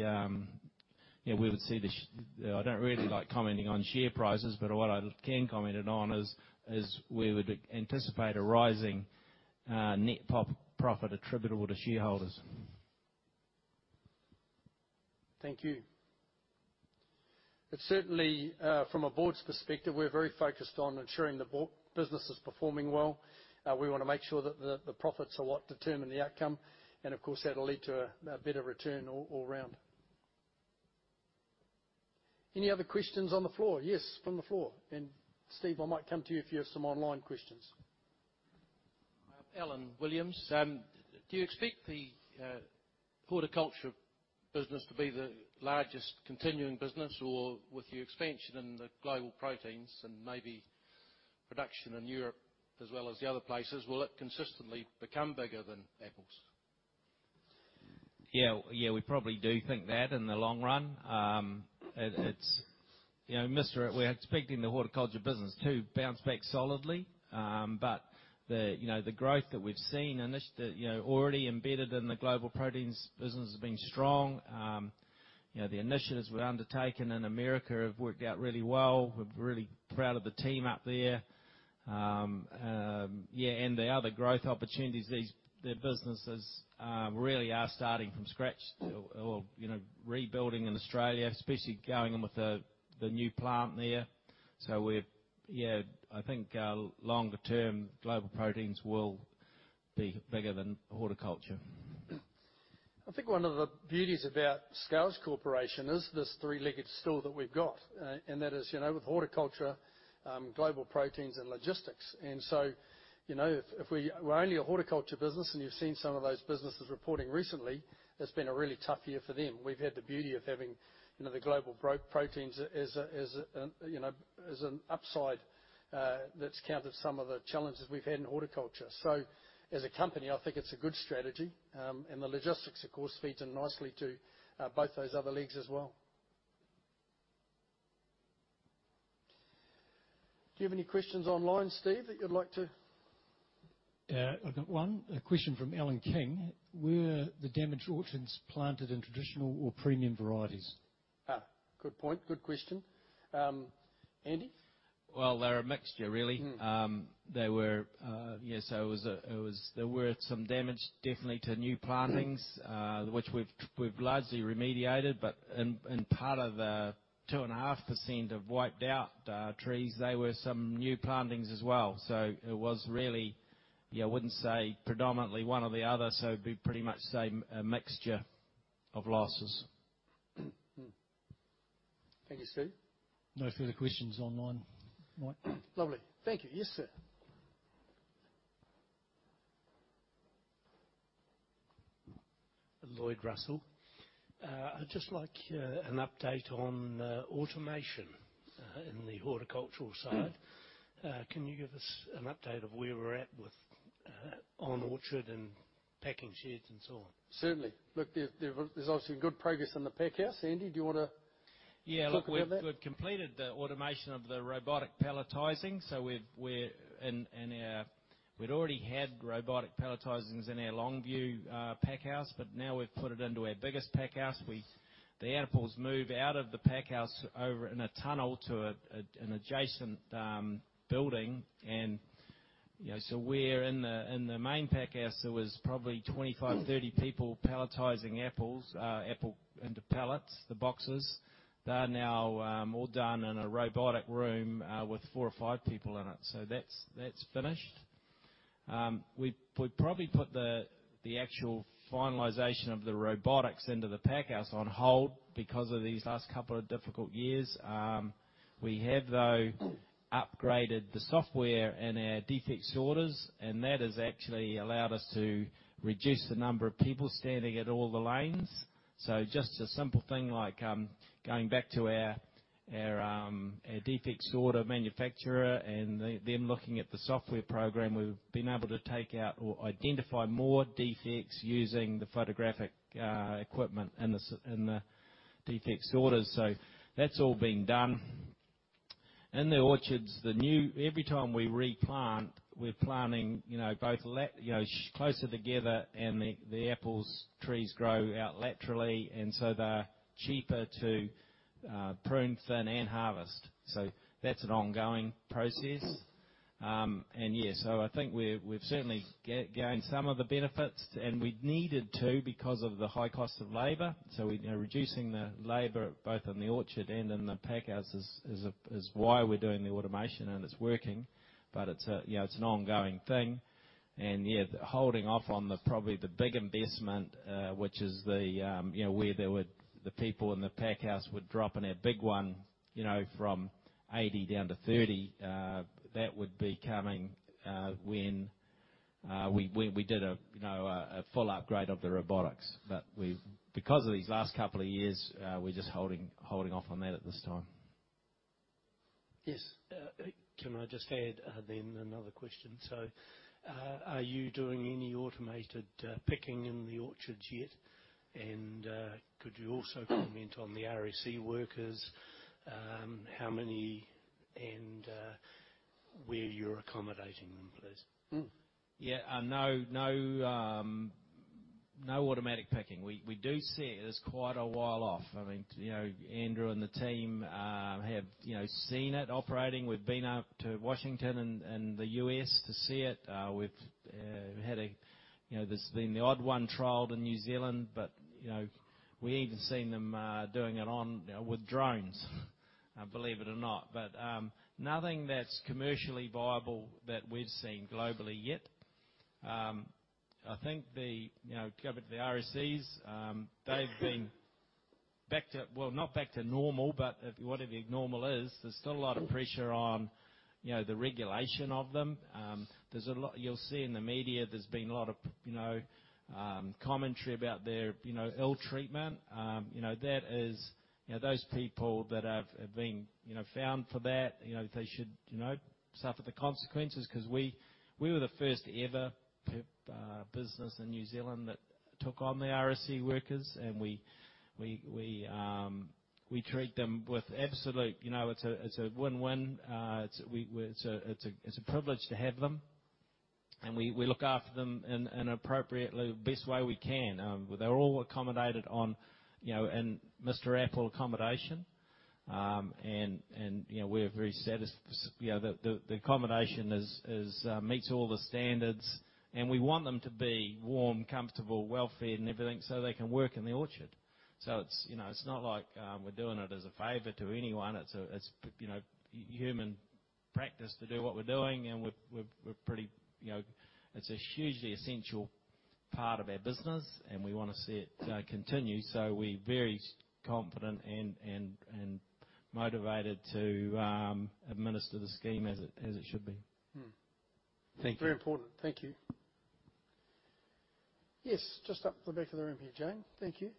Yeah, I don't really like commenting on share prices, but what I can comment it on is we would anticipate a rising net profit attributable to shareholders. Thank you. Certainly, from a board's perspective, we're very focused on ensuring the business is performing well. We wanna make sure that the profits are what determine the outcome, of course, that'll lead to a better return all round. Any other questions on the floor? Yes, from the floor. Steve, I might come to you if you have some online questions.... Alan Williams. Do you expect the horticulture business to be the largest continuing business? With your expansion in the Global Proteins, and maybe production in Europe as well as the other places, will it consistently become bigger than apples? Yeah. Yeah, we probably do think that in the long run. it's, you know, Mr. Apple, we're expecting the horticulture business to bounce back solidly. the, you know, the growth that we've seen initially, you know, already embedded in the Global Proteins business has been strong. you know, the initiatives we've undertaken in America have worked out really well. We're really proud of the team up there. Yeah, the other growth opportunities, these, their businesses, really are starting from scratch or, you know, rebuilding in Australia, especially going in with the new plant there. Yeah, I think longer term, Global Proteins will be bigger than horticulture. I think one of the beauties about Scales Corporation is this three-legged stool that we've got. That is, you know, with horticulture, Global Proteins and logistics. You know, if we're only a horticulture business, and you've seen some of those businesses reporting recently, it's been a really tough year for them. We've had the beauty of having, you know, the Global Proteins as an, you know, as an upside that's countered some of the challenges we've had in horticulture. As a company, I think it's a good strategy. The logistics, of course, feeds in nicely to both those other legs as well. Do you have any questions online, Steve, that you'd like to- I've got one. A question from Alan King: "Were the damaged orchards planted in traditional or premium varieties? Good point. Good question. Andrew? Well, they're a mixture, really. Mm. There were some damage definitely to new plantings which we've largely remediated. In part of the 2.5% of wiped out trees, they were some new plantings as well. It was really, yeah, I wouldn't say predominantly one or the other, so it'd be pretty much same, a mixture of losses. Thank you, Steve. No further questions online, Mike. Lovely. Thank you. Yes, sir? Lloyd Russell. I'd just like an update on automation in the horticultural side. Mm. Can you give us an update of where we're at with on orchard and packing sheds and so on? Certainly. Look, there's obviously been good progress in the packhouse. Andrew, do you? Yeah. Talk about that? Look, we've completed the automation of the robotic palletizing. We'd already had robotic palletizings in our Longview pack house, now we've put it into our biggest pack house. The apples move out of the pack house over in a tunnel to an adjacent building. You know, where in the main pack house, there was probably 25, 30 people palletizing apples, apple into pallets, the boxes. They are now all done in a robotic room with four or five people in it. That's finished. We've probably put the actual finalization of the robotics into the pack house on hold because of these last couple of difficult years. We have, though, upgraded the software in our defects sorters, and that has actually allowed us to reduce the number of people standing at all the lanes. Just a simple thing like, going back to our defects sorter manufacturer and them looking at the software program, we've been able to take out or identify more defects using the photographic equipment in the defects sorters. That's all been done. In the orchards, Every time we replant, we're planting, you know, both closer together, and the apples, trees grow out laterally, and so they're cheaper to prune, thin, and harvest. That's an ongoing process. Yeah, so I think we've certainly gained some of the benefits, and we needed to because of the high cost of labor. We, you know, reducing the labor both in the orchard and in the pack house is why we're doing the automation, and it's working, but it's a, you know, it's an ongoing thing. Yeah, the holding off on the probably the big investment, which is the, you know, where the people in the pack house would drop in a big one, you know, from 80 down to 30. That would be coming when we did a, you know, a full upgrade of the robotics. We've, because of these last couple of years, we're just holding off on that at this time. Can I just add, then another question? Are you doing any automated, picking in the orchards yet? Could you also comment. Mm... on the RSE workers, how many, and where you're accommodating them, please? Mm. No, no automatic picking. We do see it as quite a while off. I mean, you know, Andrew and the team have, you know, seen it operating. We've been out to Washington and the U.S. to see it. We've had a, you know, there's been the odd one trialed in New Zealand, but, you know, we even seen them doing it on, you know, with drones, believe it or not. Nothing that's commercially viable that we've seen globally yet. I think the, you know, go back to the RSEs, they've been back to, well, not back to normal, but if, whatever normal is, there's still a lot of pressure on, you know, the regulation of them. There's a lot you'll see in the media, there's been a lot of, you know, commentary about their, you know, ill treatment. You know, that is, you know, those people that have been, you know, found for that, you know, they should, you know, suffer the consequences. 'Cause we were the first ever business in New Zealand that took on the RSE workers, and we treat them with absolute, you know, it's a, it's a win-win. It's a, it's a, it's a privilege to have them, and we look after them in appropriately, the best way we can. They're all accommodated on, you know, in Mr. Apple accommodation. You know, we're very satisf... You know, the accommodation meets all the standards, and we want them to be warm, comfortable, well-fed, and everything, so they can work in the orchard. It's, you know, it's not like we're doing it as a favor to anyone. It's, you know, human practice to do what we're doing, and we're pretty. You know, it's a hugely essential part of our business, and we wanna see it continue. We're very confident and motivated to administer the scheme as it should be. Hmm. Thank you. Very important. Thank you. Yes, just up the back of the room here, Jane. Thank you.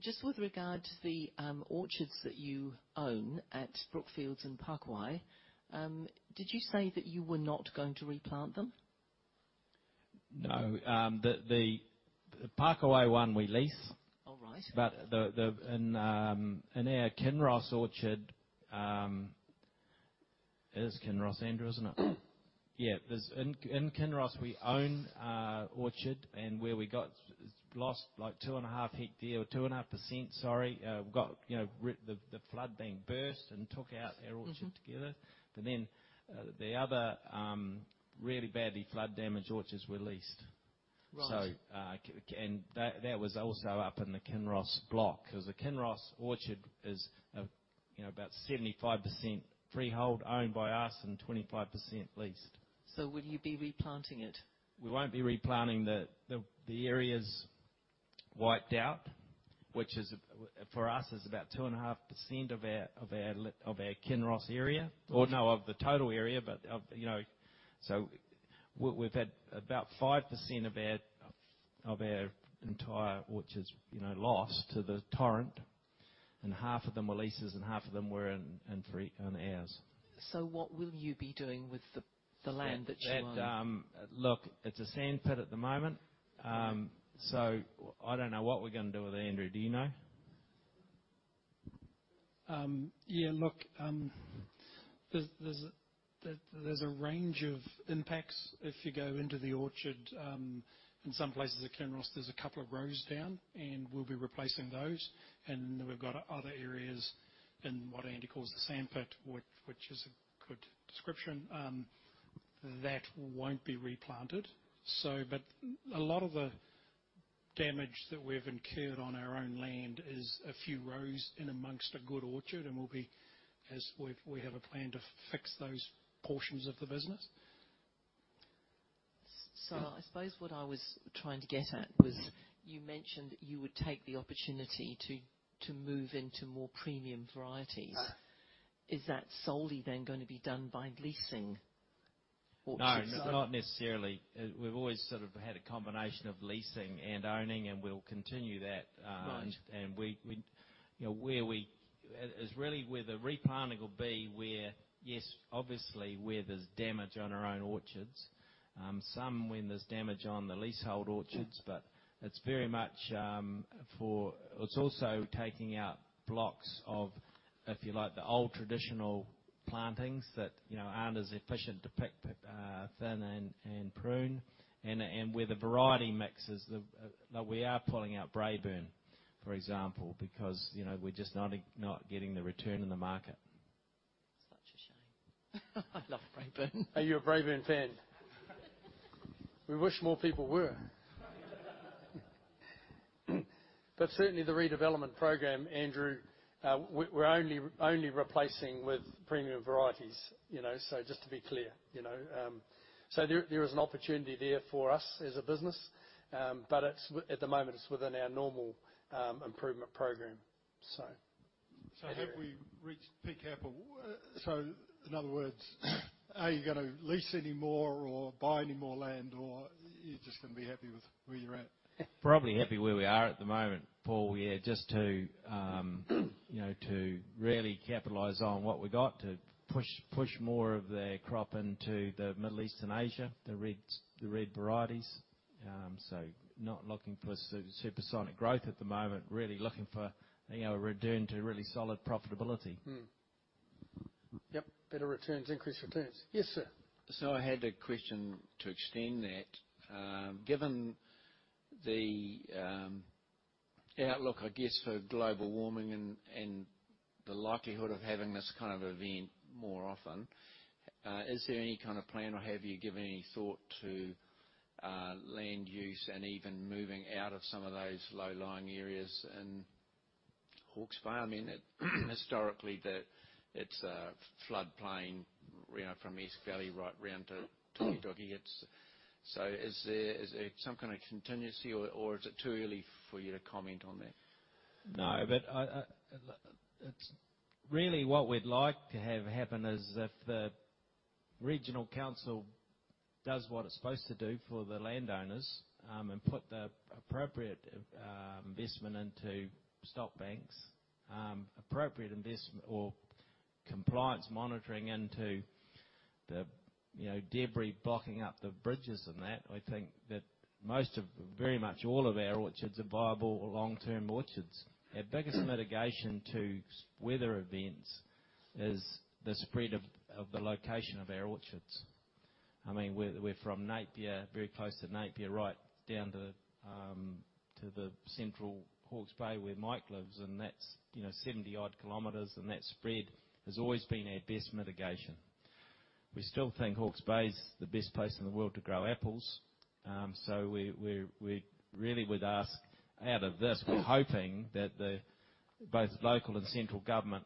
Just with regard to the orchards that you own at Brookfields and Pakipaki, did you say that you were not going to replant them? No, the Pakipaki one we lease. Oh, right. In our Kinross Orchard. It is Kinross, Andrew, isn't it? Yeah. There's in Kinross, we own a orchard, and where we got lost, like, 2.5 hectares, or 2.5%, sorry, got, you know, the flood bank burst and took out our Orchard. Mm-hmm. Together. The other really badly flood-damaged orchards were leased. Right. And that was also up in the Kinross block. Because the Kinross Orchard is, you know, about 75% freehold owned by us and 25% leased. Will you be replanting it? We won't be replanting the areas wiped out, which is, for us, is about 2.5% of our, of our Kinross area, or no, of the total area, but of, you know. We've had about 5% of our, of our entire orchards, you know, lost to the torrent, and half of them were leases, and half of them were in three, own hours. What will you be doing with the land that you own? That, look, it's a sand pit at the moment. I don't know what we're gonna do with it. Andrew, do you know? There's a range of impacts. If you go into the orchard, in some places at Kinross, there's a couple of rows down, and we'll be replacing those. We've got other areas in what Andrew calls the sand pit, which is a good description, that won't be replanted. A lot of the damage that we've incurred on our own land is a few rows in amongst a good orchard, and we have a plan to fix those portions of the business. I suppose what I was trying to get at was, you mentioned you would take the opportunity to move into more premium varieties. Ah. Is that solely then going to be done by leasing Orchards? No, not necessarily. We've always sort of had a combination of leasing and owning, and we'll continue that. Right. We, you know, it's really where the replanting will be, where, yes, obviously, where there's damage on our own orchards, some when there's damage on the leasehold Orchards. Yeah. It's very much. It's also taking out blocks of, if you like, the old traditional plantings that, you know, aren't as efficient to pick, thin and prune. Where the variety mixes, the, like we are pulling out Braeburn, for example, because, you know, we're just not getting the return in the market. Such a shame. I love Braeburn. Are you a Braeburn fan? We wish more people were. Certainly, the redevelopment program, Andrew, we're only replacing with premium varieties, you know, so just to be clear, you know. There is an opportunity there for us as a business. It's, at the moment, within our normal improvement program. Have we reached peak apple? In other words, are you gonna lease any more or buy any more land, or you're just gonna be happy with where you're at? Probably happy where we are at the moment, Paul. Yeah, just to, you know, to really capitalize on what we got, to push more of the crop into the Middle East and Asia, the reds, the red varieties. Not looking for supersonic growth at the moment, really looking for, you know, a return to really solid profitability. Yep, better returns, increased returns. Yes, sir. I had a question to extend that. Given the outlook, I guess, for global warming and the likelihood of having this kind of event more often, is there any kind of plan, or have you given any thought to land use and even moving out of some of those low-lying areas and Hawke's Bay. I mean, historically, it's a floodplain, you know, from Esk Valley right round to Toi Toi Bay. Is there some kind of contingency, or is it too early for you to comment on that? Really what we'd like to have happen is if the regional council does what it's supposed to do for the landowners, and put the appropriate investment into stopbanks, appropriate investment or compliance monitoring into the, you know, debris blocking up the bridges and that, I think that very much all of our orchards are viable or long-term orchards. Our biggest mitigation to weather events is the spread of the location of our orchards. I mean, we're from Napier, very close to Napier, right down to the central Hawke's Bay, where Mike lives, and that's, you know, 70-odd kilometers, and that spread has always been our best mitigation. We still think Hawke's Bay is the best place in the world to grow apples. We really would ask out of this, we're hoping that the both local and central government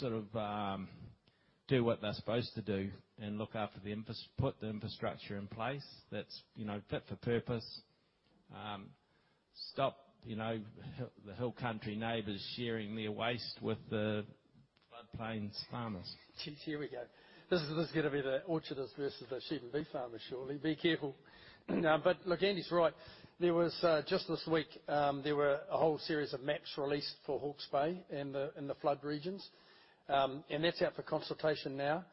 do what they're supposed to do and look after the infrastructure in place that's fit for purpose. Stop the hill country neighbors sharing their waste with the floodplains farmers. Gee, here we go. This is gonna be the Orchardists versus the sheep and beef farmers, surely. Be careful. Look, Andrew's right. There was just this week, there were a whole series of maps released for Hawke's Bay in the flood regions. That's out for consultation now.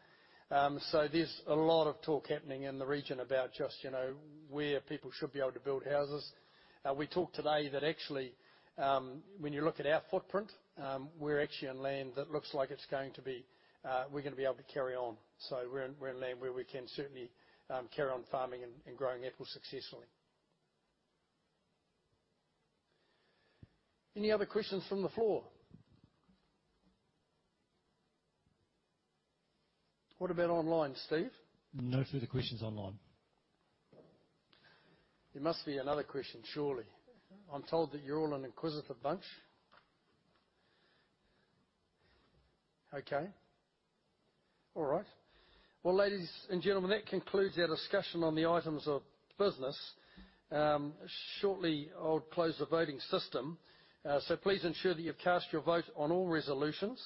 There's a lot of talk happening in the region about just, you know, where people should be able to build houses. We talked today that actually, when you look at our footprint, we're actually on land that looks like it's going to be, we're gonna be able to carry on. We're in land where we can certainly carry on farming and growing apples successfully. Any other questions from the floor? What about online, Steve? No further questions online. There must be another question, surely. I'm told that you're all an inquisitive bunch. Okay. All right. Well, ladies and gentlemen, that concludes our discussion on the items of business. Shortly, I'll close the voting system, so please ensure that you've cast your vote on all resolutions.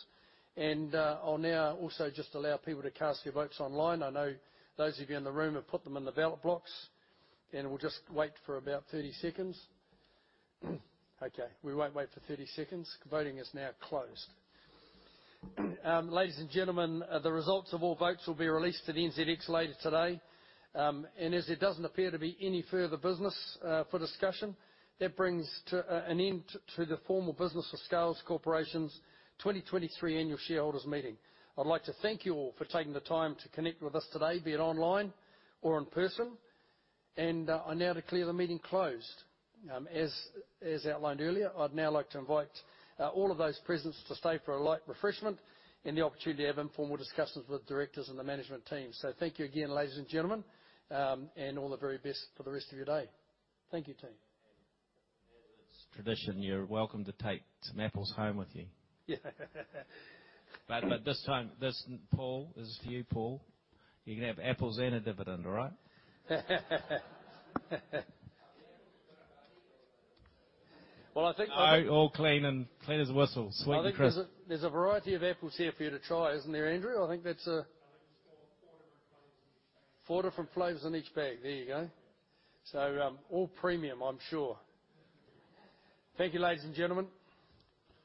I'll now also just allow people to cast your votes online. I know those of you in the room have put them in the ballot box, and we'll just wait for about 30 seconds. Okay, we won't wait for 30 seconds. Voting is now closed. Ladies and gentlemen, the results of all votes will be released to the NZX later today. As there doesn't appear to be any further business for discussion, that brings to an end to the formal business of Scales Corporation's 2023 Annual Shareholders Meeting. I'd like to thank you all for taking the time to connect with us today, be it online or in person, and I now declare the meeting closed. As outlined earlier, I'd now like to invite all of those present to stay for a light refreshment and the opportunity to have informal discussions with directors and the management team. Thank you again, ladies and gentlemen, and all the very best for the rest of your day. Thank you, team. As it's tradition, you're welcome to take some apples home with you. This time, Paul, is for you, Paul. You're gonna have apples and a dividend, all right? Are the apples good or bad? Well. All clean and clean as a whistle, squeaky crisp. I think there's a variety of apples here for you to try, isn't there, Andrew? I think that's. I think it's four different varieties. Four different flavors in each bag. There you go. All premium, I'm sure. Thank you, ladies and gentlemen.